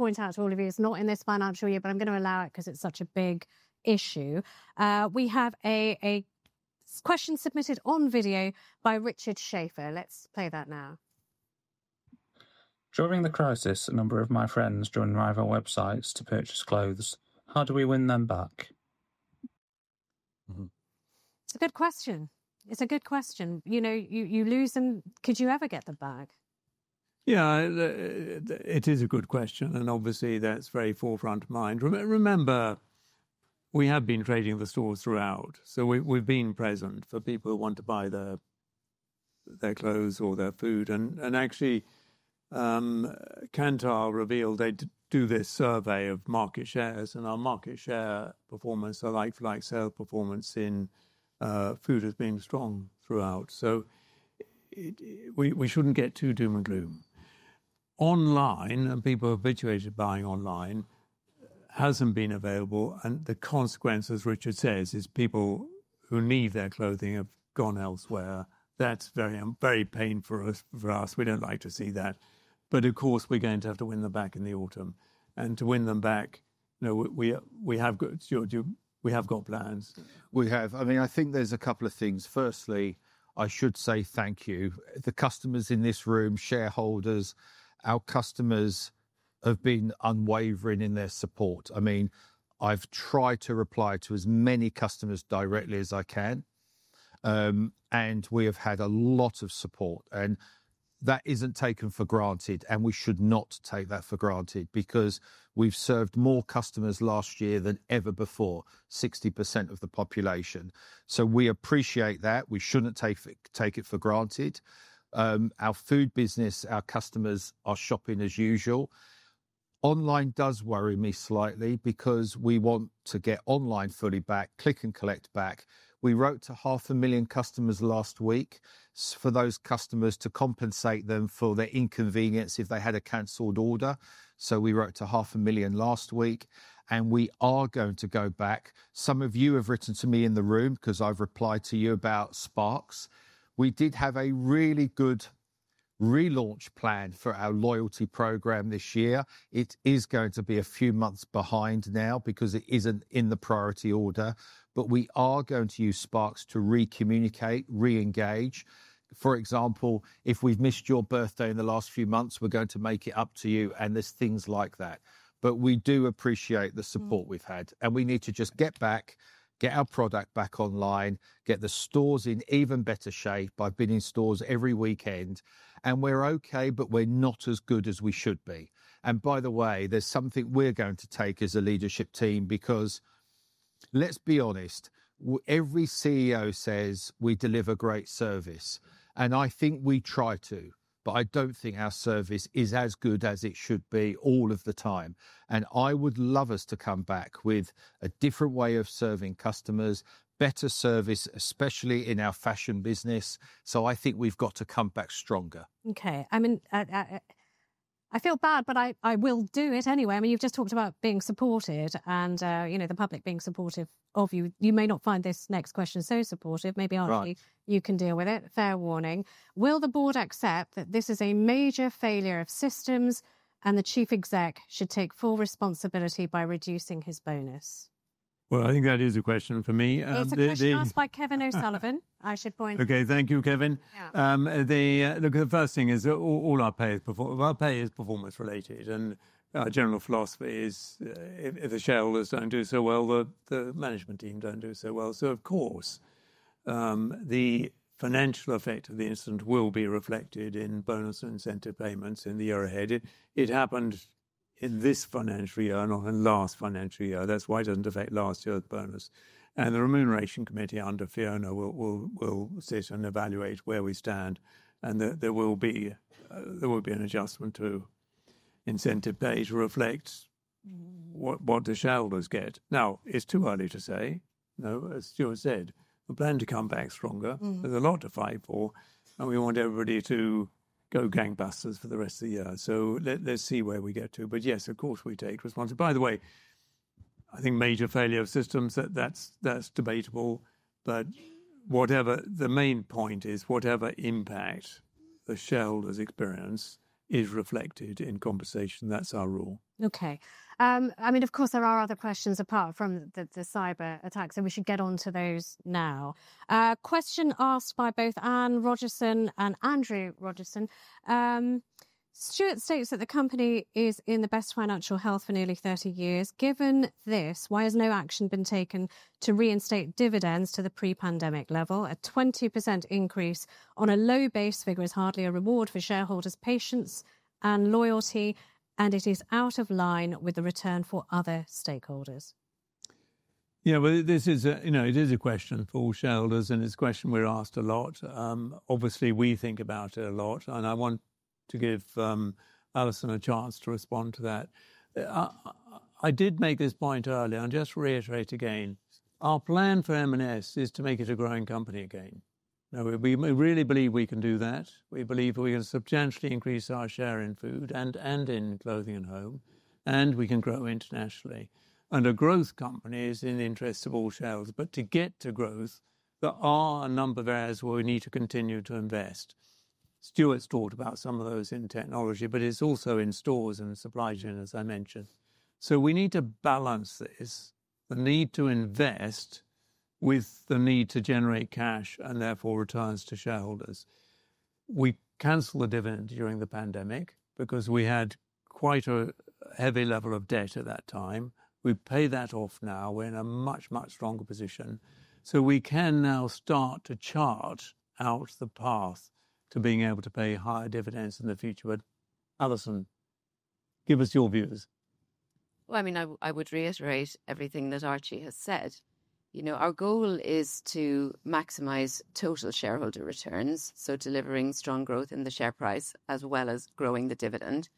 I point out to all of you, it's not in this financial year, but I'm going to allow it because it's such a big issue. We have a question submitted on video by Richard Schaefer. Let's play that now. During the crisis, a number of my friends joined rival websites to purchase clothes. How do we win them back? It's a good question. You lose them. Could you ever get them back? Yeah, it is a good question. And obviously, that's very forefront of mind. Remember, we have been trading the stores throughout. So we've been present for people who want to buy their clothes or their food. And actually, Kantar revealed they do this survey of market shares, and our market share performance, our like-for-like sales performance in food has been strong throughout. So we shouldn't get too doom and gloom. Online, and people are habituated to buying online, hasn't been available. And the consequence, as Richard says, is people who need their clothing have gone elsewhere. That's very painful for us. We don't like to see that. But of course, we're going to have to win them back in the autumn. And to win them back, we have got plans. We have. I mean, I think there's a couple of things. Firstly, I should say thank you. The customers in this room, shareholders, our customers have been unwavering in their support. I mean, I've tried to reply to as many customers directly as I can. We have had a lot of support. That isn't taken for granted. We should not take that for granted because we've served more customers last year than ever before, 60% of the population. We appreciate that. We shouldn't take it for granted. Our food business, our customers are shopping as usual. Online does worry me slightly because we want to get online fully back, click and collect back. We wrote to 500,000 customers last week for those customers to compensate them for their inconvenience if they had a canceled order. We wrote to 500,000 last week. We are going to go back. Some of you have written to me in the room because I've replied to you about Sparks. We did have a really good relaunch plan for our loyalty program this year. It is going to be a few months behind now because it isn't in the priority order. We are going to use Sparks to recommunicate, reengage. For example, if we've missed your birthday in the last few months, we're going to make it up to you. There are things like that. We do appreciate the support we've had. We need to just get back, get our product back online, get the stores in even better shape by being in stores every weekend. We are okay, but we're not as good as we should be. By the way, there's something we're going to take as a leadership team because let's be honest, every CEO says we deliver great service. I think we try to, but I don't think our service is as good as it should be all of the time. I would love us to come back with a different way of serving customers, better service, especially in our fashion business. I think we've got to come back stronger. Okay. I mean, I feel bad, but I will do it anyway. I mean, you've just talked about being supported and the public being supportive of you. You may not find this next question so supportive. Maybe, Archie, you can deal with it. Fair warning. Will the board accept that this is a major failure of systems and the Chief Exec should take full responsibility by reducing his bonus? I think that is a question for me. It's a question asked by Kevin O'Sullivan, I should point. Okay, thank you, Kevin. Look, the first thing is all our pay is performance-related. Our general philosophy is if the shareholders do not do so well, the management team do not do so well. Of course, the financial effect of the incident will be reflected in bonus and incentive payments in the year ahead. It happened in this financial year, not in last financial year. That is why it does not affect last year's bonus. The Remuneration Committee under Fiona will sit and evaluate where we stand. There will be an adjustment to incentive pay to reflect what the shareholders get. Now, it is too early to say. As Stuart said, we are planning to come back stronger. There is a lot to fight for. We want everybody to go gangbusters for the rest of the year. Let us see where we get to. Yes, of course, we take responsibility. By the way, I think major failure of systems, that's debatable. Whatever, the main point is whatever impact the shareholders experience is reflected in compensation. That's our rule. Okay. I mean, of course, there are other questions apart from the cyber attacks. We should get on to those now. Question asked by both Anne Rogerson and Andrew Rogerson. Stuart states that the company is in the best financial health for nearly 30 years. Given this, why has no action been taken to reinstate dividends to the pre-pandemic level? A 20% increase on a low base figure is hardly a reward for shareholders' patience and loyalty, and it is out of line with the return for other stakeholders. Yeah, this is a question for all shareholders, and it's a question we're asked a lot. Obviously, we think about it a lot. I want to give Alison a chance to respond to that. I did make this point earlier. Just to reiterate again, our plan for M&S is to make it a growing company again. We really believe we can do that. We believe we can substantially increase our share in food and in clothing and home, and we can grow internationally. A growth company is in the interests of all shareholders. To get to growth, there are a number of areas where we need to continue to invest. Stuart's talked about some of those in technology, but it's also in stores and supply chain, as I mentioned. We need to balance this, the need to invest with the need to generate cash and therefore returns to shareholders. We canceled the dividend during the pandemic because we had quite a heavy level of debt at that time. We pay that off now. We're in a much, much stronger position. We can now start to chart out the path to being able to pay higher dividends in the future. Alison, give us your views. I mean, I would reiterate everything that Archie has said. Our goal is to maximize total shareholder returns, so delivering strong growth in the share price as well as growing the dividend.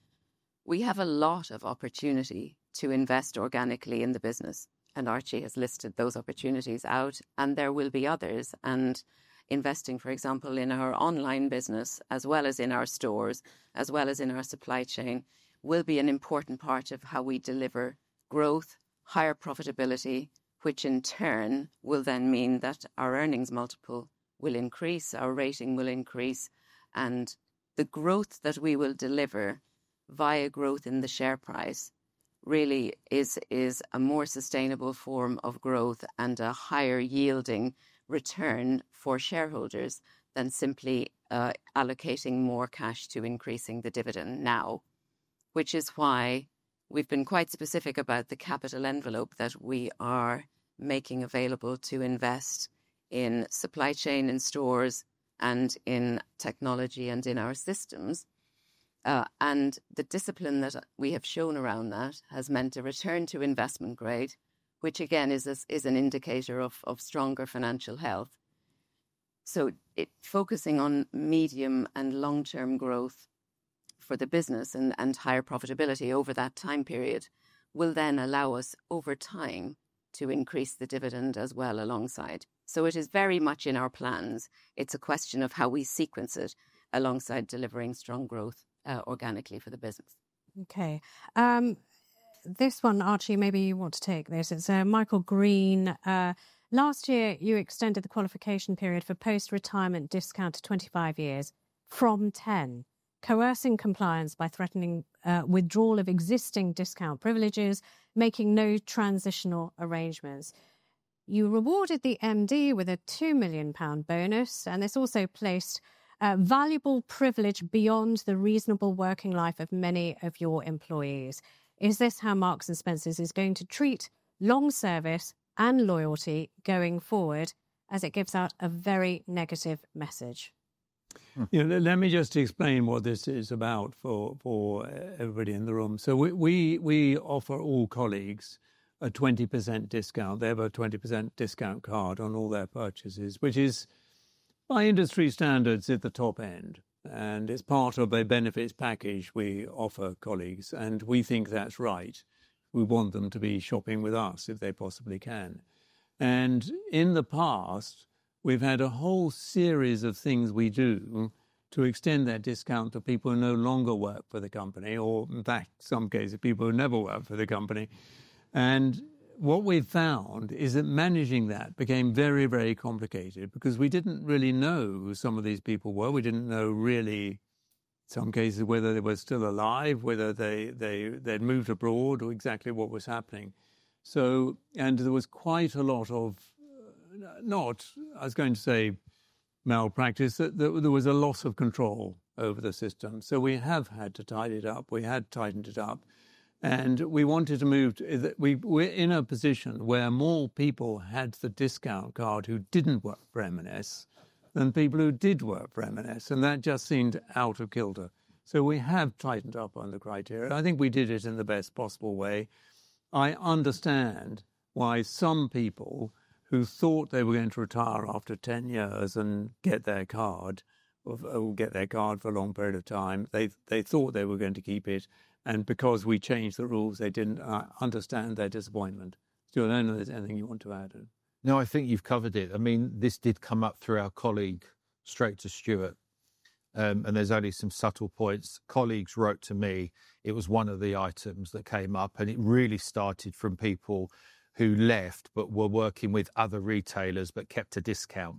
We have a lot of opportunity to invest organically in the business. Archie has listed those opportunities out. There will be others. Investing, for example, in our online business as well as in our stores, as well as in our supply chain, will be an important part of how we deliver growth, higher profitability, which in turn will then mean that our earnings multiple will increase, our rating will increase. The growth that we will deliver via growth in the share price really is a more sustainable form of growth and a higher yielding return for shareholders than simply allocating more cash to increasing the dividend now, which is why we have been quite specific about the capital envelope that we are making available to invest in supply chain and stores and in technology and in our systems. The discipline that we have shown around that has meant a return to investment grade, which again is an indicator of stronger financial health. Focusing on medium and long-term growth for the business and higher profitability over that time period will then allow us over time to increase the dividend as well alongside. It is very much in our plans. It is a question of how we sequence it alongside delivering strong growth organically for the business. Okay. This one, Archie, maybe you want to take this. It's Michael Green. Last year, you extended the qualification period for post-retirement discount to 25 years from 10, coercing compliance by threatening withdrawal of existing discount privileges, making no transitional arrangements. You rewarded the MD with a 2 million pound bonus. This also placed valuable privilege beyond the reasonable working life of many of your employees. Is this how Marks & Spencer is going to treat long service and loyalty going forward as it gives out a very negative message? You know, let me just explain what this is about for everybody in the room. We offer all colleagues a 20% discount. They have a 20% discount card on all their purchases, which is by industry standards at the top end. It is part of a benefits package we offer colleagues. We think that is right. We want them to be shopping with us if they possibly can. In the past, we have had a whole series of things we do to extend that discount to people who no longer work for the company or, in some cases, people who never work for the company. What we found is that managing that became very, very complicated because we did not really know who some of these people were. We did not know really, in some cases, whether they were still alive, whether they had moved abroad or exactly what was happening. There was quite a lot of, not, I was going to say malpractice, there was a loss of control over the system. We have had to tighten it up. We had tightened it up. We wanted to move. We are in a position where more people had the discount card who did not work for M&S than people who did work for M&S. That just seemed out of kilter. We have tightened up on the criteria. I think we did it in the best possible way. I understand why some people who thought they were going to retire after 10 years and get their card or get their card for a long period of time, they thought they were going to keep it. Because we changed the rules, they did not understand their disappointment. Stuart, I do not know if there is anything you want to add. No, I think you've covered it. I mean, this did come up through our colleague straight to Stuart. There's only some subtle points. Colleagues wrote to me. It was one of the items that came up. It really started from people who left but were working with other retailers but kept a discount.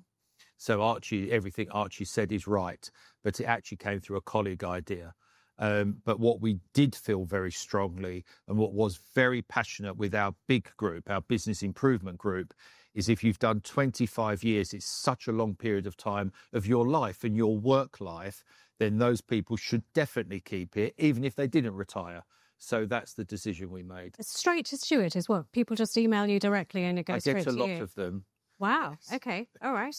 Archie, everything Archie said is right, but it actually came through a colleague idea. What we did feel very strongly and what was very passionate with our big group, our business improvement group, is if you've done 25 years, it's such a long period of time of your life and your work life, then those people should definitely keep it, even if they didn't retire. That's the decision we made. Straight to Stuart as well. People just email you directly and it goes straight to you. I get a lot of them. Wow. Okay. All right.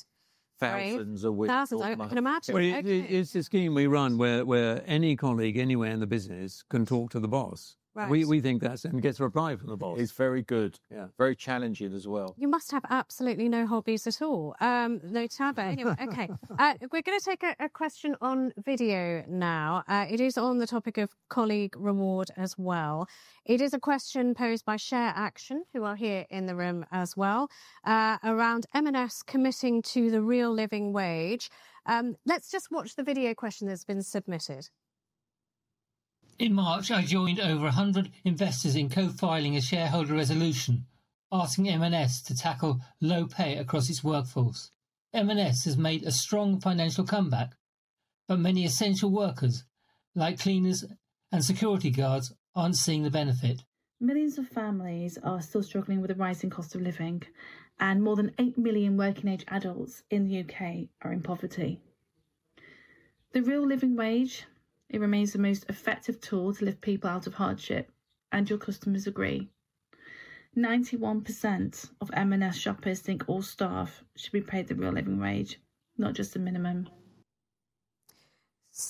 Thousands a week. Thousands. I can imagine. It's just giving me Run where any colleague anywhere in the business can talk to the boss. We think that's and gets replied from the boss. It's very good. Yeah, very challenging as well. You must have absolutely no hobbies at all. No taboo. Okay. We're going to take a question on video now. It is on the topic of colleague reward as well. It is a question posed by Share Action, who are here in the room as well, around M&S committing to the real living wage. Let's just watch the video question that's been submitted. In March, I joined over 100 investors in co-filing a shareholder resolution asking M&S to tackle low pay across its workforce. M&S has made a strong financial comeback, but many essential workers like cleaners and security guards are not seeing the benefit. Millions of families are still struggling with a rising cost of living, and more than 8 million working-age adults in the U.K. are in poverty. The real living wage, it remains the most effective tool to lift people out of hardship, and your customers agree. 91% of M&S shoppers think all staff should be paid the real living wage, not just the minimum.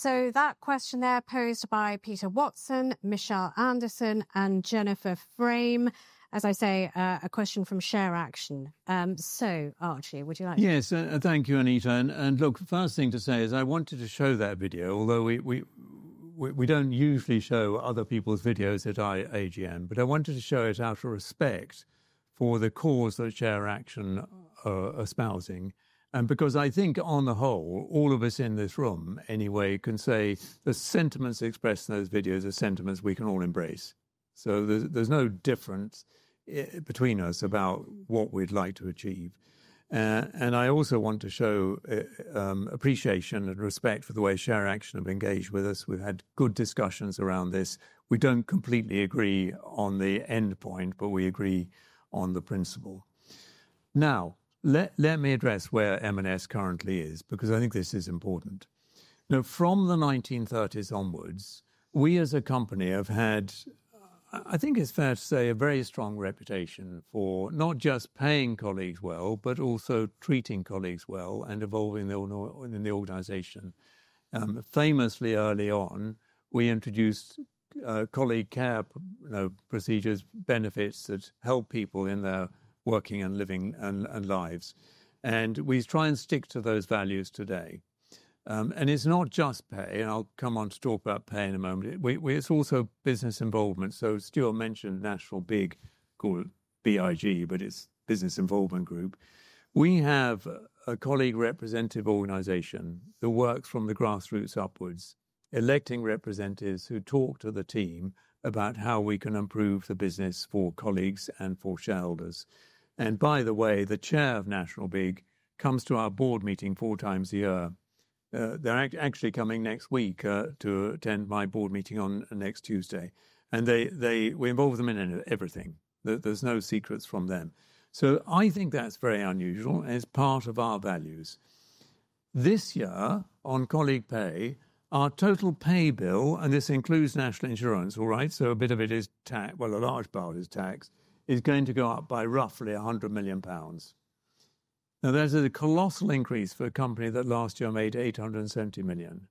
That question there posed by Peter Watson, Michelle Anderson, and Jennifer Frame. As I say, a question from Share Action. Archie, would you like to? Yes, thank you, Anita. The first thing to say is I wanted to show that video, although we do not usually show other people's videos at the AGM, but I wanted to show it out of respect for the cause that Share Action are espousing. I think on the whole, all of us in this room anyway can say the sentiments expressed in those videos are sentiments we can all embrace. There is no difference between us about what we would like to achieve. I also want to show appreciation and respect for the way Share Action have engaged with us. We have had good discussions around this. We do not completely agree on the endpoint, but we agree on the principle. Now, let me address where M&S currently is because I think this is important. Now, from the 1930s onwards, we as a company have had, I think it's fair to say, a very strong reputation for not just paying colleagues well, but also treating colleagues well and evolving in the organization. Famously early on, we introduced colleague care procedures, benefits that help people in their working and living lives. We try and stick to those values today. It's not just pay, and I'll come on to talk about pay in a moment. It's also business involvement. Stuart mentioned National Big called BIG, but it's Business Involvement Group. We have a colleague representative organization that works from the grassroots upwards, electing representatives who talk to the team about how we can improve the business for colleagues and for shareholders. By the way, the chair of National Big comes to our board meeting four times a year. They're actually coming next week to attend my board meeting on next Tuesday. We involve them in everything. There's no secrets from them. I think that's very unusual as part of our values. This year, on colleague pay, our total pay bill, and this includes national insurance, all right? A bit of it is tax, well, a large part is tax, is going to go up by roughly 100 million pounds. Now, that's a colossal increase for a company that last year made 870 million.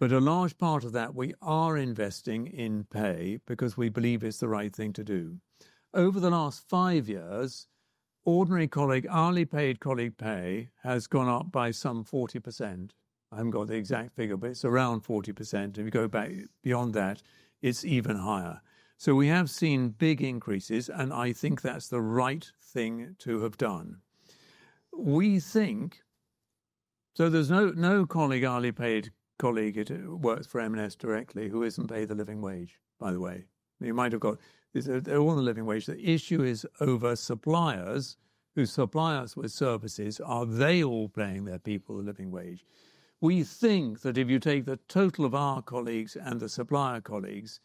A large part of that, we are investing in pay because we believe it's the right thing to do. Over the last five years, ordinary colleague, hourly paid colleague pay has gone up by some 40%. I haven't got the exact figure, but it's around 40%. If you go back beyond that, it's even higher. We have seen big increases, and I think that's the right thing to have done. We think, so there's no hourly paid colleague who works for M&S directly who isn't paid the living wage, by the way. You might have got all the living wage. The issue is over suppliers who supply us with services. Are they all paying their people the living wage? We think that if you take the total of our colleagues and the supplier colleagues,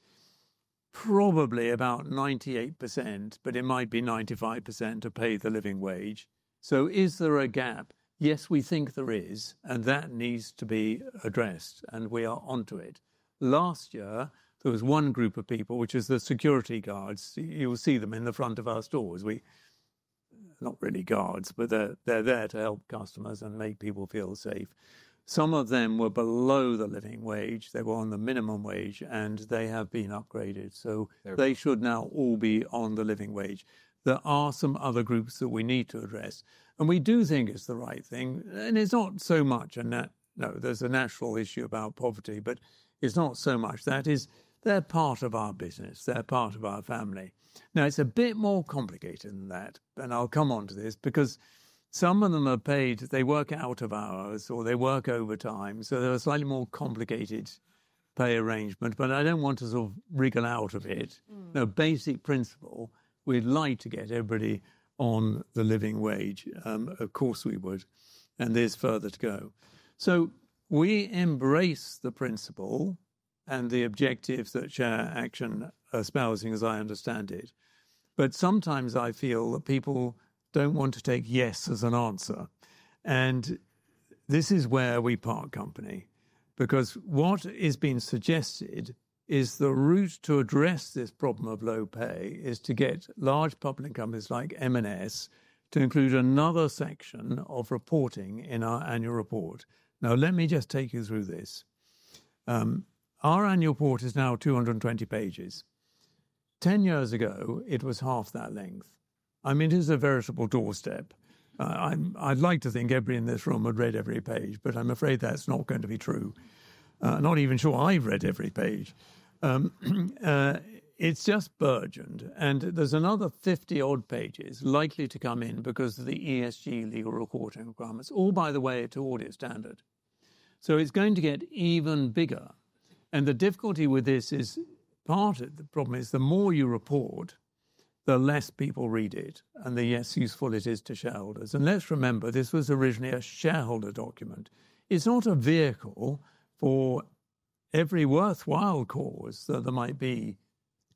probably about 98%, but it might be 95% pay the living wage. Is there a gap? Yes, we think there is, and that needs to be addressed, and we are onto it. Last year, there was one group of people, which is the security guards. You will see them in the front of our stores. Not really guards, but they're there to help customers and make people feel safe. Some of them were below the living wage. They were on the minimum wage, and they have been upgraded. They should now all be on the living wage. There are some other groups that we need to address. We do think it's the right thing. It's not so much, and no, there's a natural issue about poverty, but it's not so much. That is, they're part of our business. They're part of our family. Now, it's a bit more complicated than that. I'll come on to this because some of them are paid, they work out of hours or they work overtime. There are slightly more complicated pay arrangements. I don't want to sort of wriggle out of it. A basic principle, we'd like to get everybody on the living wage. Of course, we would. There is further to go. We embrace the principle and the objectives that Share Action is espousing, as I understand it. Sometimes I feel that people do not want to take yes as an answer. This is where we part company because what is being suggested is the route to address this problem of low pay is to get large public companies like M&S to include another section of reporting in our annual report. Let me just take you through this. Our annual report is now 220 pages. Ten years ago, it was half that length. I mean, it is a veritable doorstep. I'd like to think everyone in this room had read every page, but I'm afraid that is not going to be true. I'm not even sure I've read every page. It's just burgeoned. There is another 50-odd pages likely to come in because of the ESG legal reporting requirements, all by the way to audit standard. It is going to get even bigger. The difficulty with this is part of the problem is the more you report, the less people read it and the less useful it is to shareholders. Let's remember, this was originally a shareholder document. It is not a vehicle for every worthwhile cause that there might be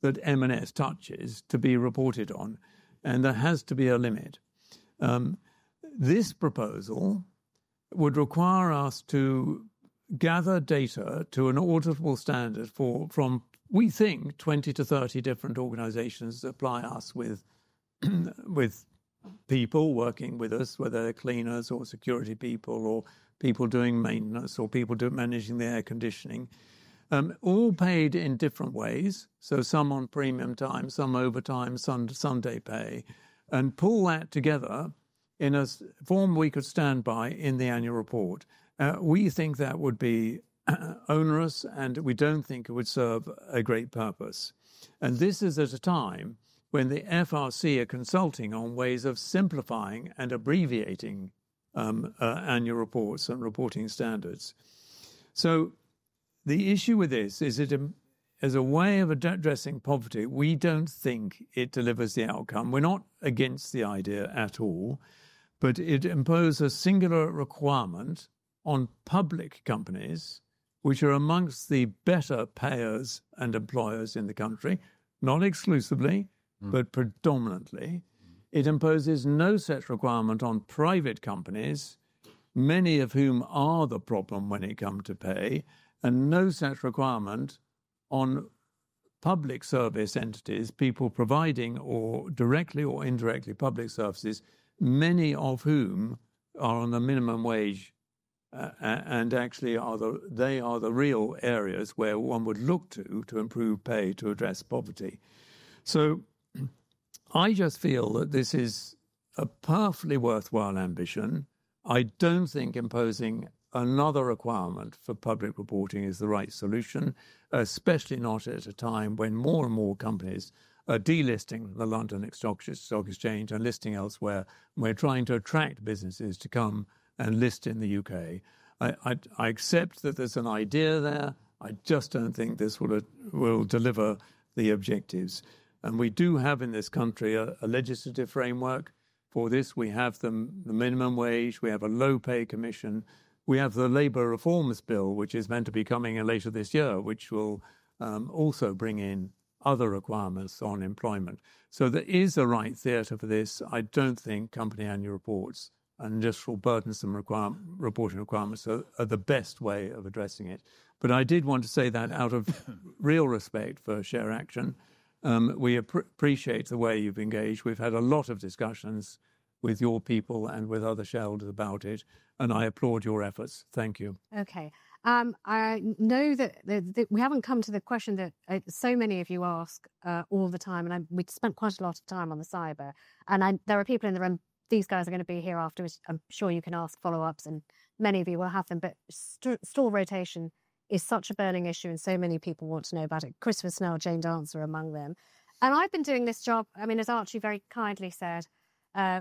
that M&S touches to be reported on. There has to be a limit. This proposal would require us to gather data to an auditable standard from, we think, 20-30 different organizations that supply us with people working with us, whether they are cleaners or security people or people doing maintenance or people managing the air conditioning, all paid in different ways. Some on premium time, some overtime, some Sunday pay. Pull that together in a form we could stand by in the annual report. We think that would be onerous, and we do not think it would serve a great purpose. This is at a time when the FRC are consulting on ways of simplifying and abbreviating annual reports and reporting standards. The issue with this is that as a way of addressing poverty, we do not think it delivers the outcome. We are not against the idea at all, but it imposes a singular requirement on public companies, which are among the better payers and employers in the country, not exclusively, but predominantly. It imposes no such requirement on private companies, many of whom are the problem when it comes to pay, and no such requirement on public service entities, people providing directly or indirectly public services, many of whom are on the minimum wage and actually they are the real areas where one would look to to improve pay to address poverty. I just feel that this is a powerfully worthwhile ambition. I do not think imposing another requirement for public reporting is the right solution, especially not at a time when more and more companies are delisting the London Stock Exchange and listing elsewhere. We are trying to attract businesses to come and list in the U.K. I accept that there is an idea there. I just do not think this will deliver the objectives. We do have in this country a legislative framework for this. We have the minimum wage. We have a Low Pay Commission. We have the Labour Reforms Bill, which is meant to be coming later this year, which will also bring in other requirements on employment. There is a right theatre for this. I do not think company annual reports and industrial burdensome reporting requirements are the best way of addressing it. I did want to say that out of real respect for Share Action, we appreciate the way you have engaged. We have had a lot of discussions with your people and with other shareholders about it. I applaud your efforts. Thank you. Okay. I know that we have not come to the question that so many of you ask all the time, and we spent quite a lot of time on the cyber. There are people in the room. These guys are going to be here afterwards. I am sure you can ask follow-ups, and many of you will have them. Store rotation is such a burning issue, and so many people want to know about it. Chris was, now Jane Dancer among them. I have been doing this job, I mean, as Archie very kindly said,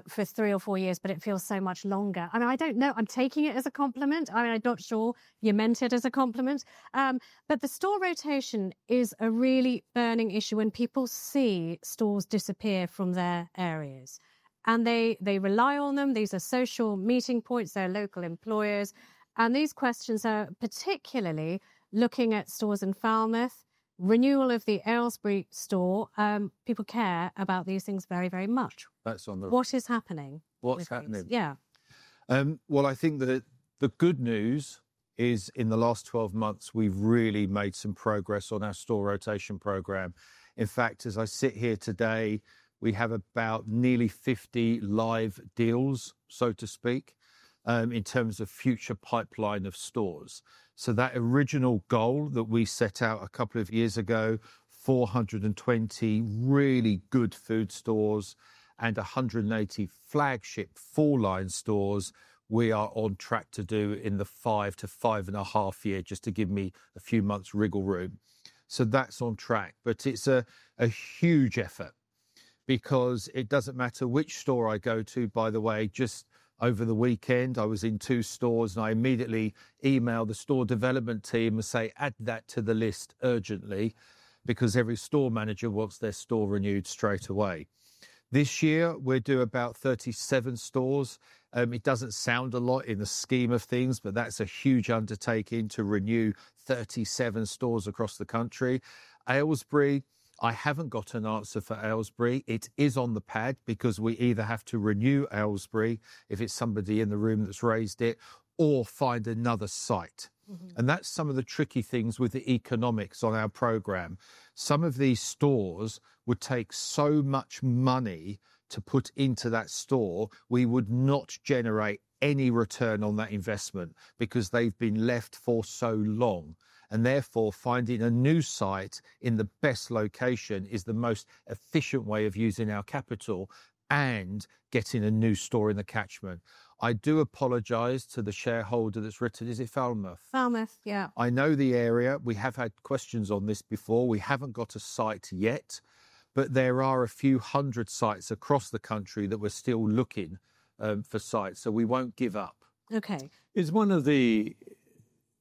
for three or four years, but it feels so much longer. I mean, I do not know. I am taking it as a compliment. I mean, I am not sure you meant it as a compliment. The store rotation is a really burning issue when people see stores disappear from their areas. They rely on them. These are social meeting points. They are local employers. These questions are particularly looking at stores in Falmouth, renewal of the Aylesbury store. People care about these things very, very much. What is happening? What's happening? Yeah. I think that the good news is in the last 12 months, we've really made some progress on our store rotation program. In fact, as I sit here today, we have about nearly 50 live deals, so to speak, in terms of future pipeline of stores. That original goal that we set out a couple of years ago, 420 really good food stores and 180 flagship four-line stores, we are on track to do in the five to five and a half years, just to give me a few months wriggle room. That is on track. It is a huge effort because it does not matter which store I go to. By the way, just over the weekend, I was in two stores, and I immediately emailed the store development team and said, "Add that to the list urgently," because every store manager wants their store renewed straight away. This year, we're doing about 37 stores. It doesn't sound a lot in the scheme of things, but that's a huge undertaking to renew 37 stores across the country. Aylesbury, I haven't got an answer for Aylesbury. It is on the pad because we either have to renew Aylesbury if it's somebody in the room that's raised it, or find another site. That is some of the tricky things with the economics on our program. Some of these stores would take so much money to put into that store, we would not generate any return on that investment because they've been left for so long. Therefore, finding a new site in the best location is the most efficient way of using our capital and getting a new store in the catchment. I do apologize to the shareholder that's written, is it Falmouth? Falmouth, yeah. I know the area. We have had questions on this before. We haven't got a site yet, but there are a few hundred sites across the country that we're still looking for sites. We won't give up. Okay. It's one of the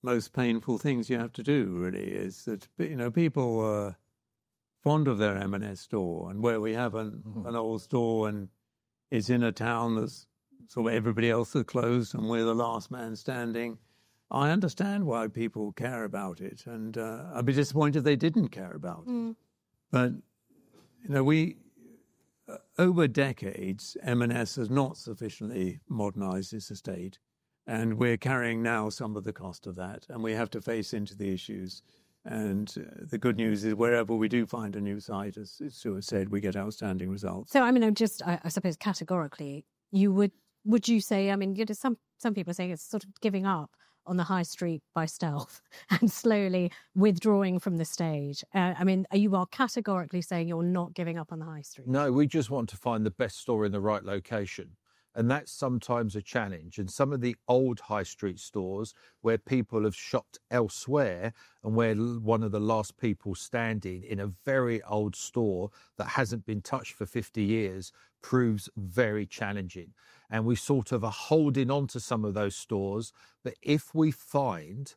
most painful things you have to do, really, is that people are fond of their M&S store. Where we have an old store and it's in a town that's sort of everybody else has closed and we're the last man standing, I understand why people care about it. I'd be disappointed if they didn't care about it. Over decades, M&S has not sufficiently modernized its estate. We're carrying now some of the cost of that. We have to face into the issues. The good news is wherever we do find a new site, as Stuart said, we get outstanding results. I mean, I just, I suppose categorically, would you say, I mean, some people say it's sort of giving up on the high street by stealth and slowly withdrawing from the stage. I mean, you are categorically saying you're not giving up on the high street. No, we just want to find the best store in the right location. That is sometimes a challenge. Some of the old high street stores where people have shopped elsewhere and where we are one of the last people standing in a very old store that has not been touched for 50 years proves very challenging. We sort of are holding on to some of those stores. If we find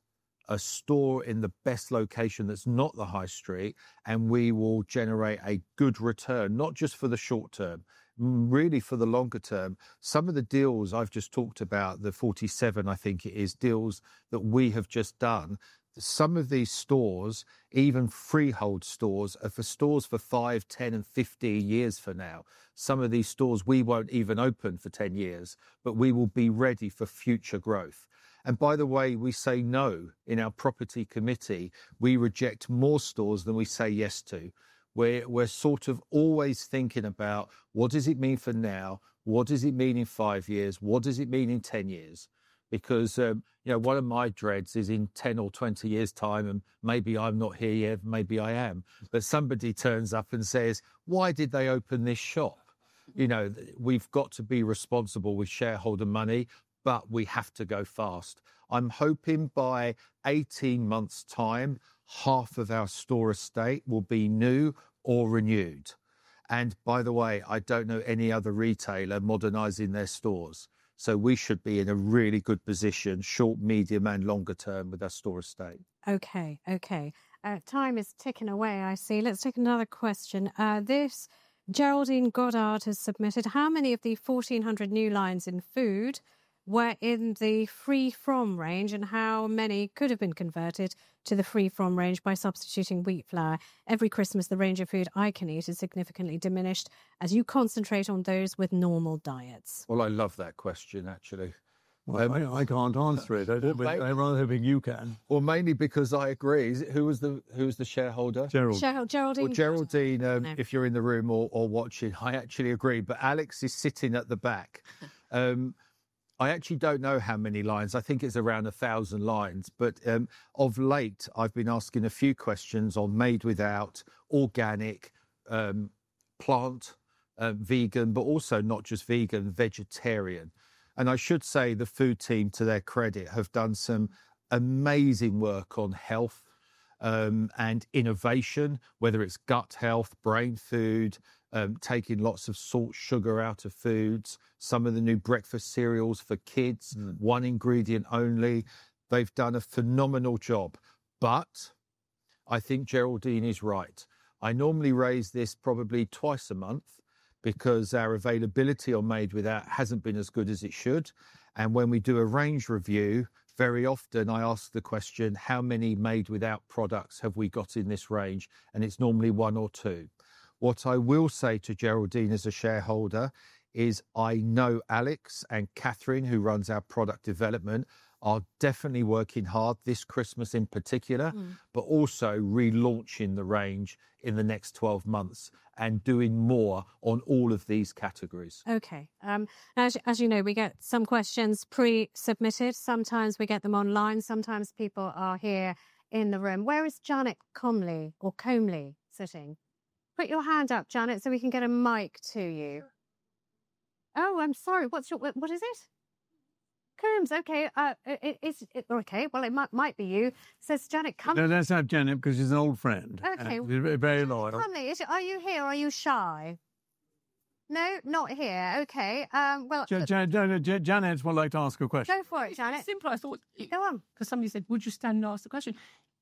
a store in the best location that is not the high street and we will generate a good return, not just for the short term, really for the longer term, some of the deals I have just talked about, the 47, I think it is, deals that we have just done, some of these stores, even freehold stores, are for stores for 5, 10, and 15 years from now. Some of these stores we will not even open for 10 years, but we will be ready for future growth. By the way, we say no in our property committee. We reject more stores than we say yes to. We are sort of always thinking about what does it mean for now? What does it mean in five years? What does it mean in 10 years? One of my dreads is in 10 or 20 years' time, and maybe I am not here yet. Maybe I am. Somebody turns up and says, "Why did they open this shop?" We have got to be responsible with shareholder money, but we have to go fast. I am hoping by 18 months' time, half of our store estate will be new or renewed. By the way, I do not know any other retailer modernizing their stores. We should be in a really good position, short, medium, and longer term with our store estate. Okay, okay. Time is ticking away, I see. Let's take another question. Geraldine Goddard has submitted, "How many of the 1,400 new lines in food were in the free-from range and how many could have been converted to the free-from range by substituting wheat flour? Every Christmas, the range of food I can eat is significantly diminished as you concentrate on those with normal diets. I love that question, actually. I can't answer it. I'd rather think you can. Mainly because I agree. Who was the shareholder? Geraldine. Geraldine, if you're in the room or watching, I actually agree. Alex is sitting at the back. I actually don't know how many lines. I think it's around 1,000 lines. Of late, I've been asking a few questions on made without, organic, plant, vegan, but also not just vegan, vegetarian. I should say the food team, to their credit, have done some amazing work on health and innovation, whether it's gut health, brain food, taking lots of salt sugar out of foods, some of the new breakfast cereals for kids, one ingredient only. They've done a phenomenal job. I think Geraldine is right. I normally raise this probably twice a month because our availability on made without hasn't been as good as it should. When we do a range review, very often I ask the question, "How many made without products have we got in this range?" It is normally one or two. What I will say to Geraldine as a shareholder is I know Alex and Catherine, who runs our product development, are definitely working hard this Christmas in particular, but also relaunching the range in the next 12 months and doing more on all of these categories. Okay. As you know, we get some questions pre-submitted. Sometimes we get them online. Sometimes people are here in the room. Where is Janet Comley or Comley sitting? Put your hand up, Janet, so we can get a mic to you. Oh, I'm sorry. What's your—what is it? Combs, okay. Okay, it might be you. Says Janet Combs. No, that's not Janet because she's an old friend. Okay. Very loyal. Come on, are you here? Are you shy? No, not here. Okay. Janet would like to ask a question. Go for it, Janet. It's simple. I thought. Go on. Because somebody said, "Would you stand and ask the question?"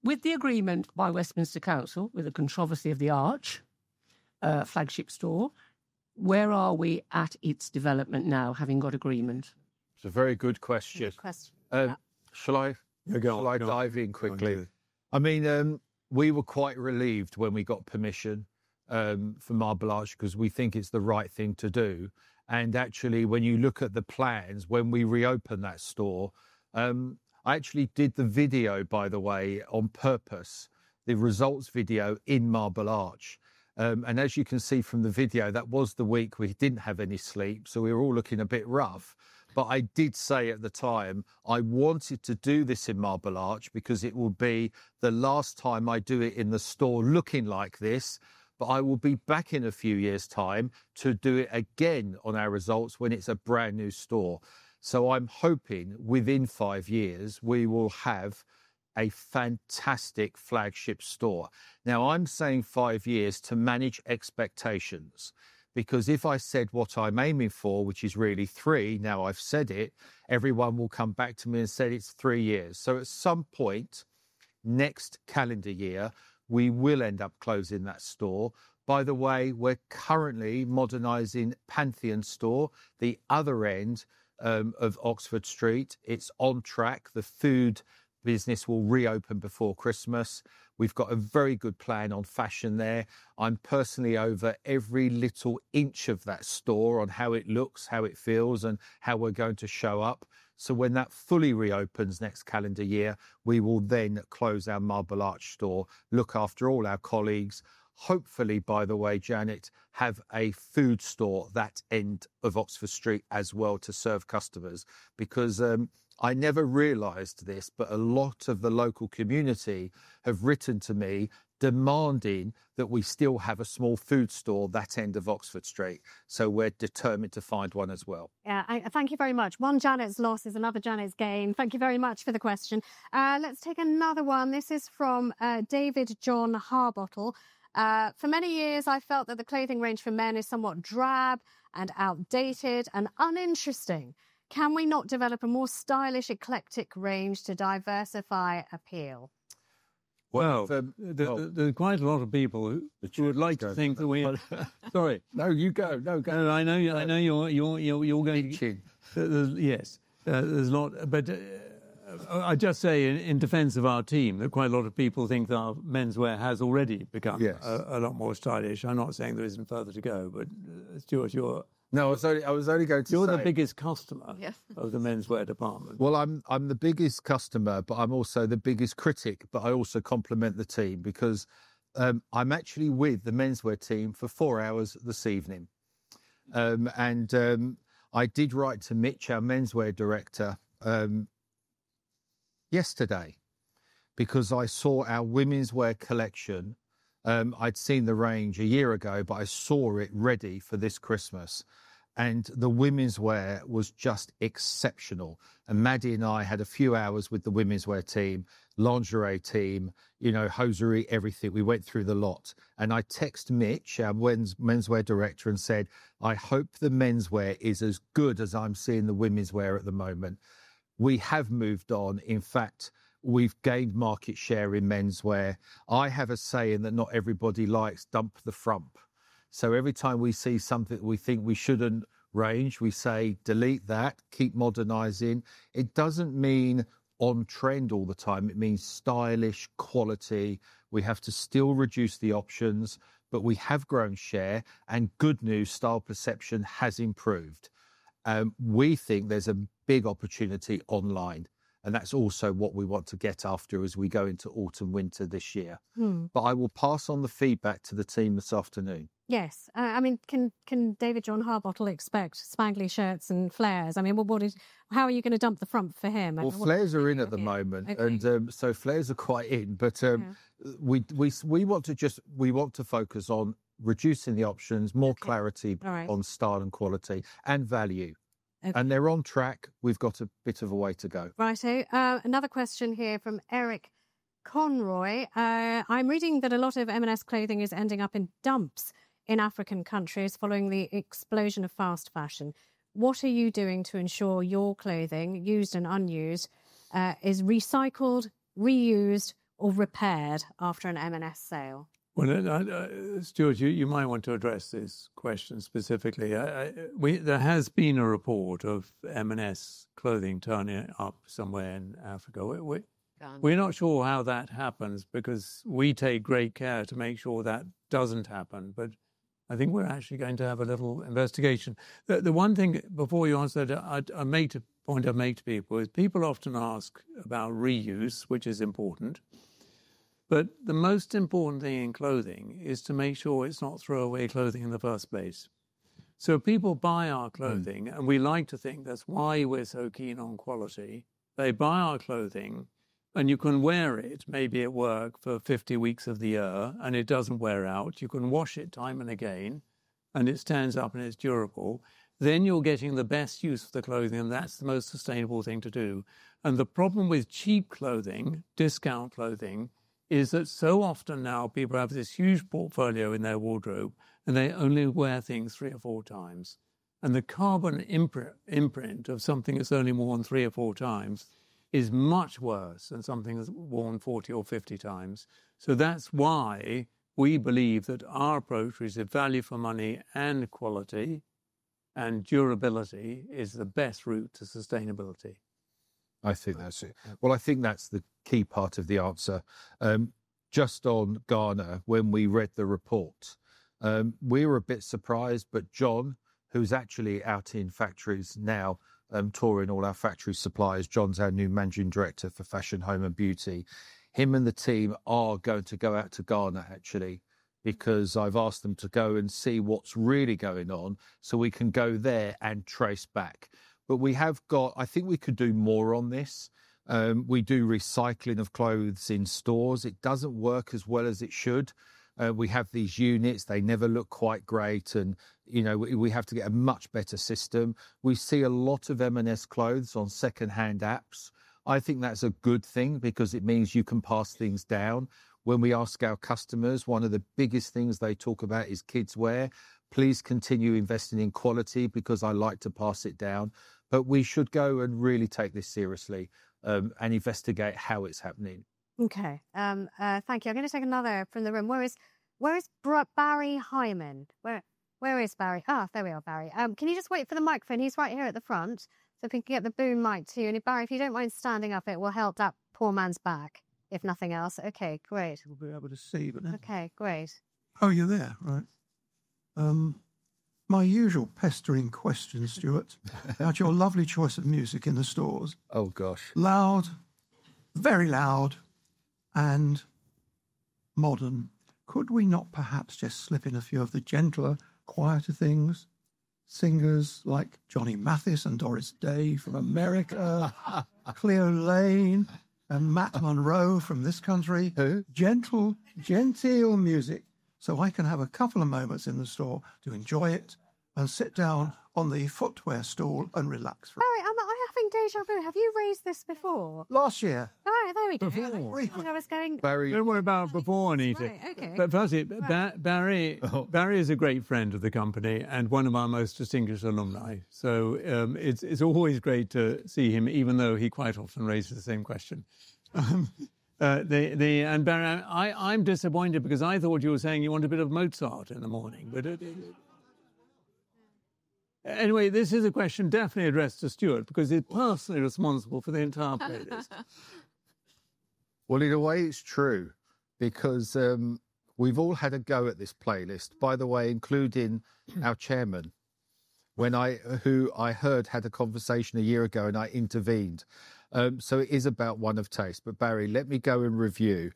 With the agreement by Westminster Council, with the controversy of the arch flagship store, where are we at its development now, having got agreement? It's a very good question. Good question. Shall I dive in quickly? I mean, we were quite relieved when we got permission for Marble Arch because we think it's the right thing to do. Actually, when you look at the plans, when we reopen that store, I actually did the video, by the way, on purpose, the results video in Marble Arch. As you can see from the video, that was the week we didn't have any sleep. We were all looking a bit rough. I did say at the time, I wanted to do this in Marble Arch because it will be the last time I do it in the store looking like this, but I will be back in a few years' time to do it again on our results when it's a brand new store. I'm hoping within five years, we will have a fantastic flagship store. Now, I'm saying five years to manage expectations because if I said what I'm aiming for, which is really three, now I've said it, everyone will come back to me and say it's three years. At some point next calendar year, we will end up closing that store. By the way, we're currently modernizing Pantheon store, the other end of Oxford Street. It's on track. The food business will reopen before Christmas. We've got a very good plan on fashion there. I'm personally over every little inch of that store on how it looks, how it feels, and how we're going to show up. When that fully reopens next calendar year, we will then close our Marble Arch store, look after all our colleagues. Hopefully, by the way, Janet, have a food store that end of Oxford Street as well to serve customers because I never realized this, but a lot of the local community have written to me demanding that we still have a small food store that end of Oxford Street. We are determined to find one as well. Yeah, thank you very much. One Janet's loss is another Janet's gain. Thank you very much for the question. Let's take another one. This is from David John Harbottle. "For many years, I felt that the clothing range for men is somewhat drab and outdated and uninteresting. Can we not develop a more stylish, eclectic range to diversify appeal?" There are quite a lot of people who would like to think that we—sorry. No, you go. No, go. I know you're going to. Yes. I just say in defense of our team that quite a lot of people think that our menswear has already become a lot more stylish. I'm not saying there isn't further to go, but Stuart, you're— No, I was only going to say— You're the biggest customer of the menswear department. I'm the biggest customer, but I'm also the biggest critic. I also compliment the team because I'm actually with the menswear team for four hours this evening. I did write to Mitch, our menswear director, yesterday because I saw our women's wear collection. I'd seen the range a year ago, but I saw it ready for this Christmas. The women's wear was just exceptional. Maddie and I had a few hours with the women's wear team, lingerie team, you know, hosiery, everything. We went through the lot. I texted Mitch, our menswear director, and said, "I hope the menswear is as good as I'm seeing the women's wear at the moment." We have moved on. In fact, we've gained market share in menswear. I have a saying that not everybody likes, "Dump the frump." Every time we see something that we think we shouldn't range, we say, "Delete that. Keep modernizing." It does not mean on trend all the time. It means stylish, quality. We have to still reduce the options, but we have grown share. Good news, style perception has improved. We think there is a big opportunity online. That is also what we want to get after as we go into autumn, winter this year. I will pass on the feedback to the team this afternoon. Yes. I mean, can David John Harbottle expect spangly shirts and flares? I mean, how are you going to dump the frump for him? Flares are in at the moment. Flares are quite in. We want to just—we want to focus on reducing the options, more clarity on style and quality and value. They are on track. We have got a bit of a way to go. Right. Another question here from Eric Conroy. "I'm reading that a lot of M&S clothing is ending up in dumps in African countries following the explosion of fast fashion. What are you doing to ensure your clothing, used and unused, is recycled, reused, or repaired after an M&S sale? Stuart, you might want to address this question specifically. There has been a report of M&S clothing turning up somewhere in Africa. We're not sure how that happens because we take great care to make sure that does not happen. I think we're actually going to have a little investigation. The one thing before you answer, a point I've made to people is people often ask about reuse, which is important. The most important thing in clothing is to make sure it's not throwaway clothing in the first place. People buy our clothing, and we like to think that's why we're so keen on quality. They buy our clothing, and you can wear it maybe at work for 50 weeks of the year, and it does not wear out. You can wash it time and again, and it stands up and it's durable. You are getting the best use of the clothing, and that is the most sustainable thing to do. The problem with cheap clothing, discount clothing, is that so often now people have this huge portfolio in their wardrobe, and they only wear things three or four times. The carbon imprint of something that is only worn three or four times is much worse than something that is worn 40 or 50 times. That is why we believe that our approach is that value for money and quality and durability is the best route to sustainability. I think that is it. I think that is the key part of the answer. Just on Ghana, when we read the report, we were a bit surprised, but John, who is actually out in factories now touring all our factory suppliers, John is our new Managing Director for Fashion, Home, and Beauty. Him and the team are going to go out to Ghana, actually, because I've asked them to go and see what's really going on so we can go there and trace back. We have got—I think we could do more on this. We do recycling of clothes in stores. It does not work as well as it should. We have these units. They never look quite great. We have to get a much better system. We see a lot of M&S clothes on secondhand apps. I think that is a good thing because it means you can pass things down. When we ask our customers, one of the biggest things they talk about is kidswear. Please continue investing in quality because I like to pass it down. We should go and really take this seriously and investigate how it is happening. Okay. Thank you. I'm going to take another from the room. Where is Barry Hyman? Where is Barry? There we are, Barry. Can you just wait for the microphone? He's right here at the front. If he can get the boom mic to you. Barry, if you don't mind standing up, it will help that poor man's back, if nothing else. Okay, great. We'll be able to see you now. Okay, great. Oh, you're there, right? My usual pestering question, Stuart. At your lovely choice of music in the stores. Oh, gosh. Loud, very loud, and modern. Could we not perhaps just slip in a few of the gentler, quieter things? Singers like Johnny Mathis and Doris Day from America, Cleo Laine and Matt Monro from this country. Gentle, genteel music so I can have a couple of moments in the store to enjoy it and sit down on the footwear stall and relax for a bit. Barry, I'm having déjà vu. Have you raised this before? Last year. Oh, there we go. do not worry about it before anything. Barry is a great friend of the company and one of our most distinguished alumni. It is always great to see him, even though he quite often raises the same question. Barry, I am disappointed because I thought you were saying you want a bit of Mozart in the morning. This is a question definitely addressed to Stuart because he is personally responsible for the entire playlist. In a way, it is true because we have all had a go at this playlist, by the way, including our Chairman, who I heard had a conversation a year ago and I intervened. It is about one of taste. Barry, let me go and review.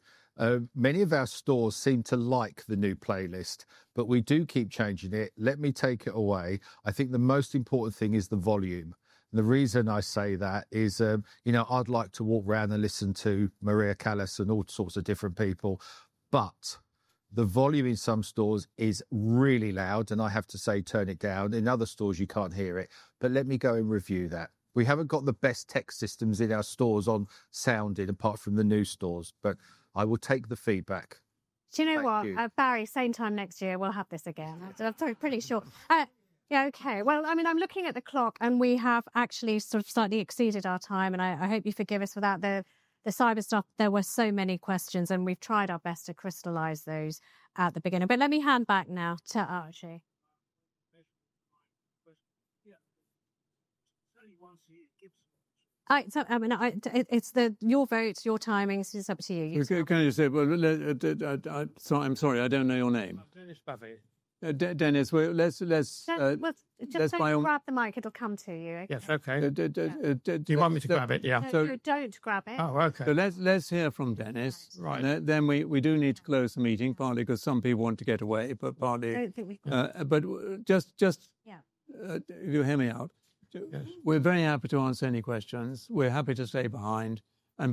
Many of our stores seem to like the new playlist, but we do keep changing it. Let me take it away. I think the most important thing is the volume. The reason I say that is, you know, I'd like to walk around and listen to Maria Callas and all sorts of different people. The volume in some stores is really loud, and I have to say, turn it down. In other stores, you cannot hear it. Let me go and review that. We have not got the best tech systems in our stores on sounding apart from the new stores. I will take the feedback. Do you know what? Barry, same time next year, we'll have this again. I'm pretty sure. Yeah, okay. I mean, I'm looking at the clock, and we have actually sort of slightly exceeded our time. I hope you forgive us for that. The cyber stuff, there were so many questions, and we've tried our best to crystallize those at the beginning. Let me hand back now to Archie. It's your vote, your timing. It's up to you. Can I just say, I'm sorry, I don't know your name. Dennis. Dennis, let's grab the mic. It'll come to you. Yes, okay. Do you want me to grab it? Yeah. Don't grab it. Oh, okay. Let's hear from Dennis. Then we do need to close the meeting, partly because some people want to get away, but partly. I don't think we can. If you hear me out. We're very happy to answer any questions. We're happy to stay behind.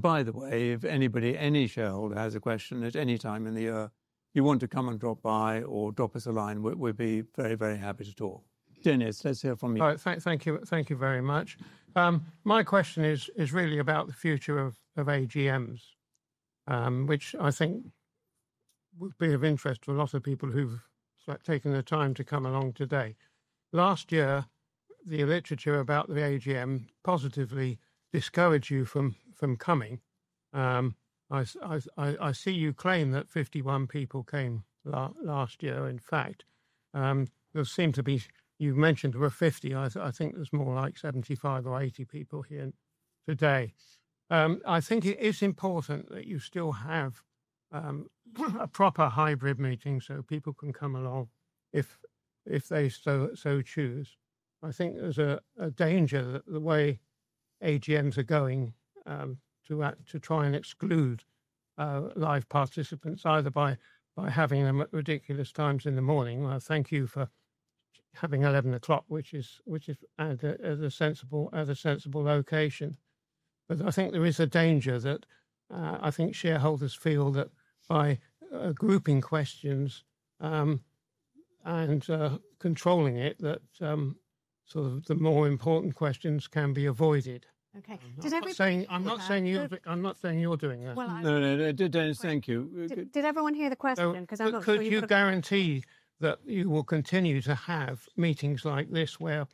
By the way, if anybody, any shareholder has a question at any time in the year, you want to come and drop by or drop us a line, we'd be very, very happy to talk. Dennis, let's hear from you. Thank you very much. My question is really about the future of AGMs, which I think would be of interest to a lot of people who've taken the time to come along today. Last year, the literature about the AGM positively discouraged you from coming. I see you claim that 51 people came last year. In fact, there seem to be, you mentioned there were 50. I think there's more like 75 or 80 people here today. I think it's important that you still have a proper hybrid meeting so people can come along if they so choose. I think there's a danger that the way AGMs are going to try and exclude live participants, either by having them at ridiculous times in the morning. Thank you for having 11:00 A.M., which is a sensible location. I think there is a danger that I think shareholders feel that by grouping questions and controlling it, that sort of the more important questions can be avoided. Okay. I'm not saying you're doing that. No, no, Dennis, thank you. Did everyone hear the question? Because I'm not sure. Could you guarantee that you will continue to have meetings like this where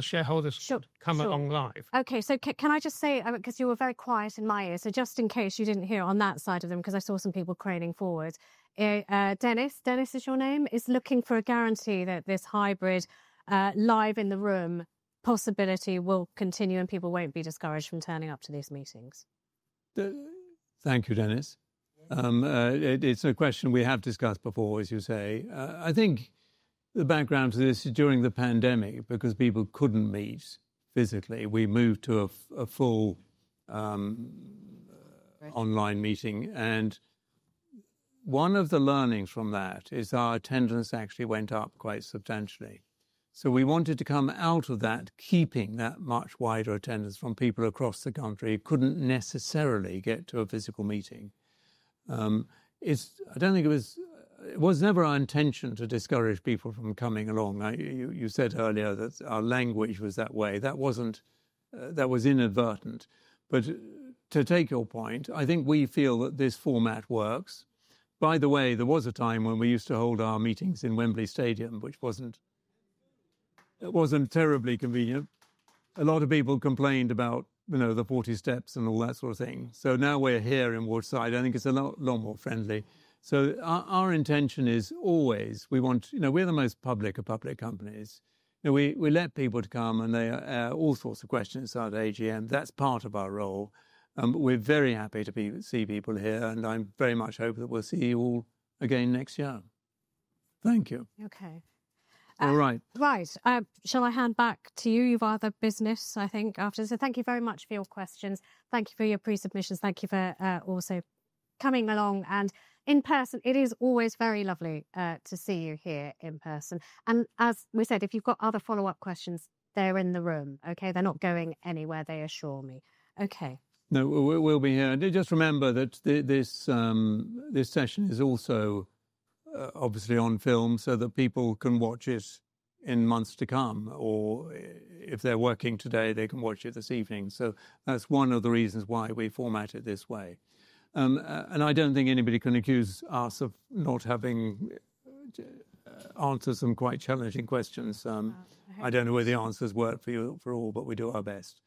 shareholders come along live? Okay, can I just say, because you were very quiet in my ear, just in case you did not hear on that side of them, because I saw some people craning forward, Dennis, Dennis is your name, is looking for a guarantee that this hybrid live in the room possibility will continue and people will not be discouraged from turning up to these meetings. Thank you, Dennis. It's a question we have discussed before, as you say. I think the background to this is during the pandemic because people couldn't meet physically. We moved to a full online meeting. One of the learnings from that is our attendance actually went up quite substantially. We wanted to come out of that, keeping that much wider attendance from people across the country who couldn't necessarily get to a physical meeting. I don't think it was ever our intention to discourage people from coming along. You said earlier that our language was that way. That was inadvertent. To take your point, I think we feel that this format works. By the way, there was a time when we used to hold our meetings in Wembley Stadium, which wasn't terribly convenient. A lot of people complained about the 40 steps and all that sort of thing. Now we're here in Woodside. I think it's a lot more friendly. Our intention is always, we're the most public of public companies. We let people come and there are all sorts of questions inside the AGM. That's part of our role. We're very happy to see people here, and I'm very much hoping that we'll see you all again next year. Thank you. Okay. All right. Right. Shall I hand back to you? You have either business, I think, after this. Thank you very much for your questions. Thank you for your pre-submissions. Thank you for also coming along. In person, it is always very lovely to see you here in person. As we said, if you have other follow-up questions, they are in the room, okay? They are not going anywhere, they assure me. Okay. No, we'll be here. Just remember that this session is also obviously on film so that people can watch it in months to come. Or if they're working today, they can watch it this evening. That is one of the reasons why we format it this way. I do not think anybody can accuse us of not having answered some quite challenging questions. I do not know whether the answers work for you all, but we do our best.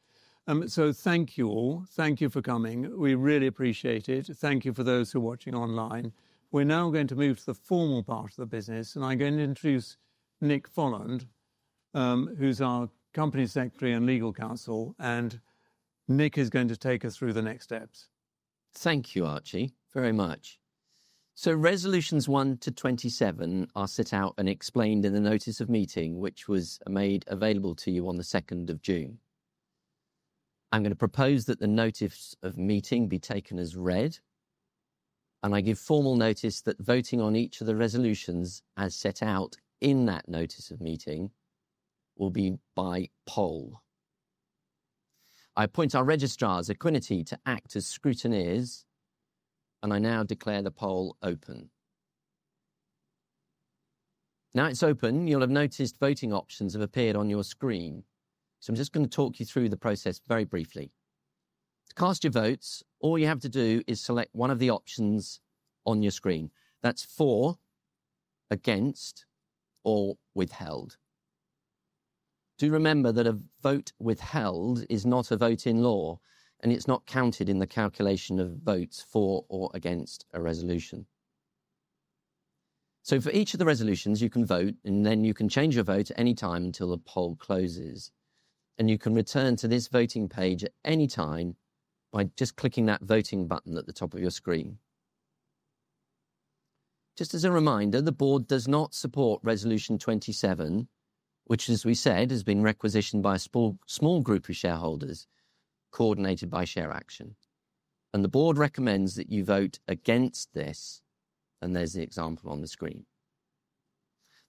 Thank you all. Thank you for coming. We really appreciate it. Thank you for those who are watching online. We are now going to move to the formal part of the business, and I am going to introduce Nick Folland, who is our Company Secretary and Legal Counsel. Nick is going to take us through the next steps. Thank you, Archie, very much. Resolutions 1 to 27 are set out and explained in the notice of meeting, which was made available to you on the 2nd of June. I'm going to propose that the notice of meeting be taken as read. I give formal notice that voting on each of the resolutions as set out in that notice of meeting will be by poll. I appoint our registrars, Equiniti, to act as scrutineers. I now declare the poll open. Now it's open. You'll have noticed voting options have appeared on your screen. I'm just going to talk you through the process very briefly. To cast your votes, all you have to do is select one of the options on your screen. That's for, against, or withheld. Do remember that a vote withheld is not a vote in law, and it is not counted in the calculation of votes for or against a resolution. For each of the resolutions, you can vote, and you can change your vote at any time until the poll closes. You can return to this voting page at any time by just clicking that voting button at the top of your screen. Just as a reminder, the board does not support resolution 27, which, as we said, has been requisitioned by a small group of shareholders coordinated by Share Action. The board recommends that you vote against this, and there is the example on the screen.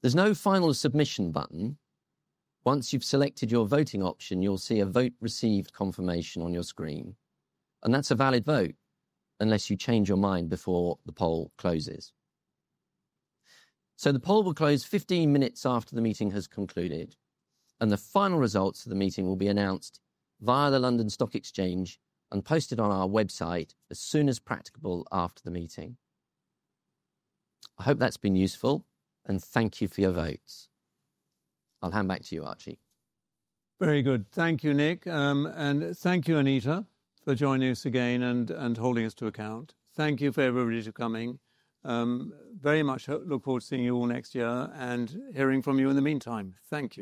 There is no final submission button. Once you have selected your voting option, you will see a vote received confirmation on your screen. That is a valid vote unless you change your mind before the poll closes. The poll will close 15 minutes after the meeting has concluded. The final results of the meeting will be announced via the London Stock Exchange and posted on our website as soon as practicable after the meeting. I hope that's been useful, and thank you for your votes. I'll hand back to you, Archie. Very good. Thank you, Nick. Thank you, Anita, for joining us again and holding us to account. Thank you for everybody for coming. Very much look forward to seeing you all next year and hearing from you in the meantime. Thank you.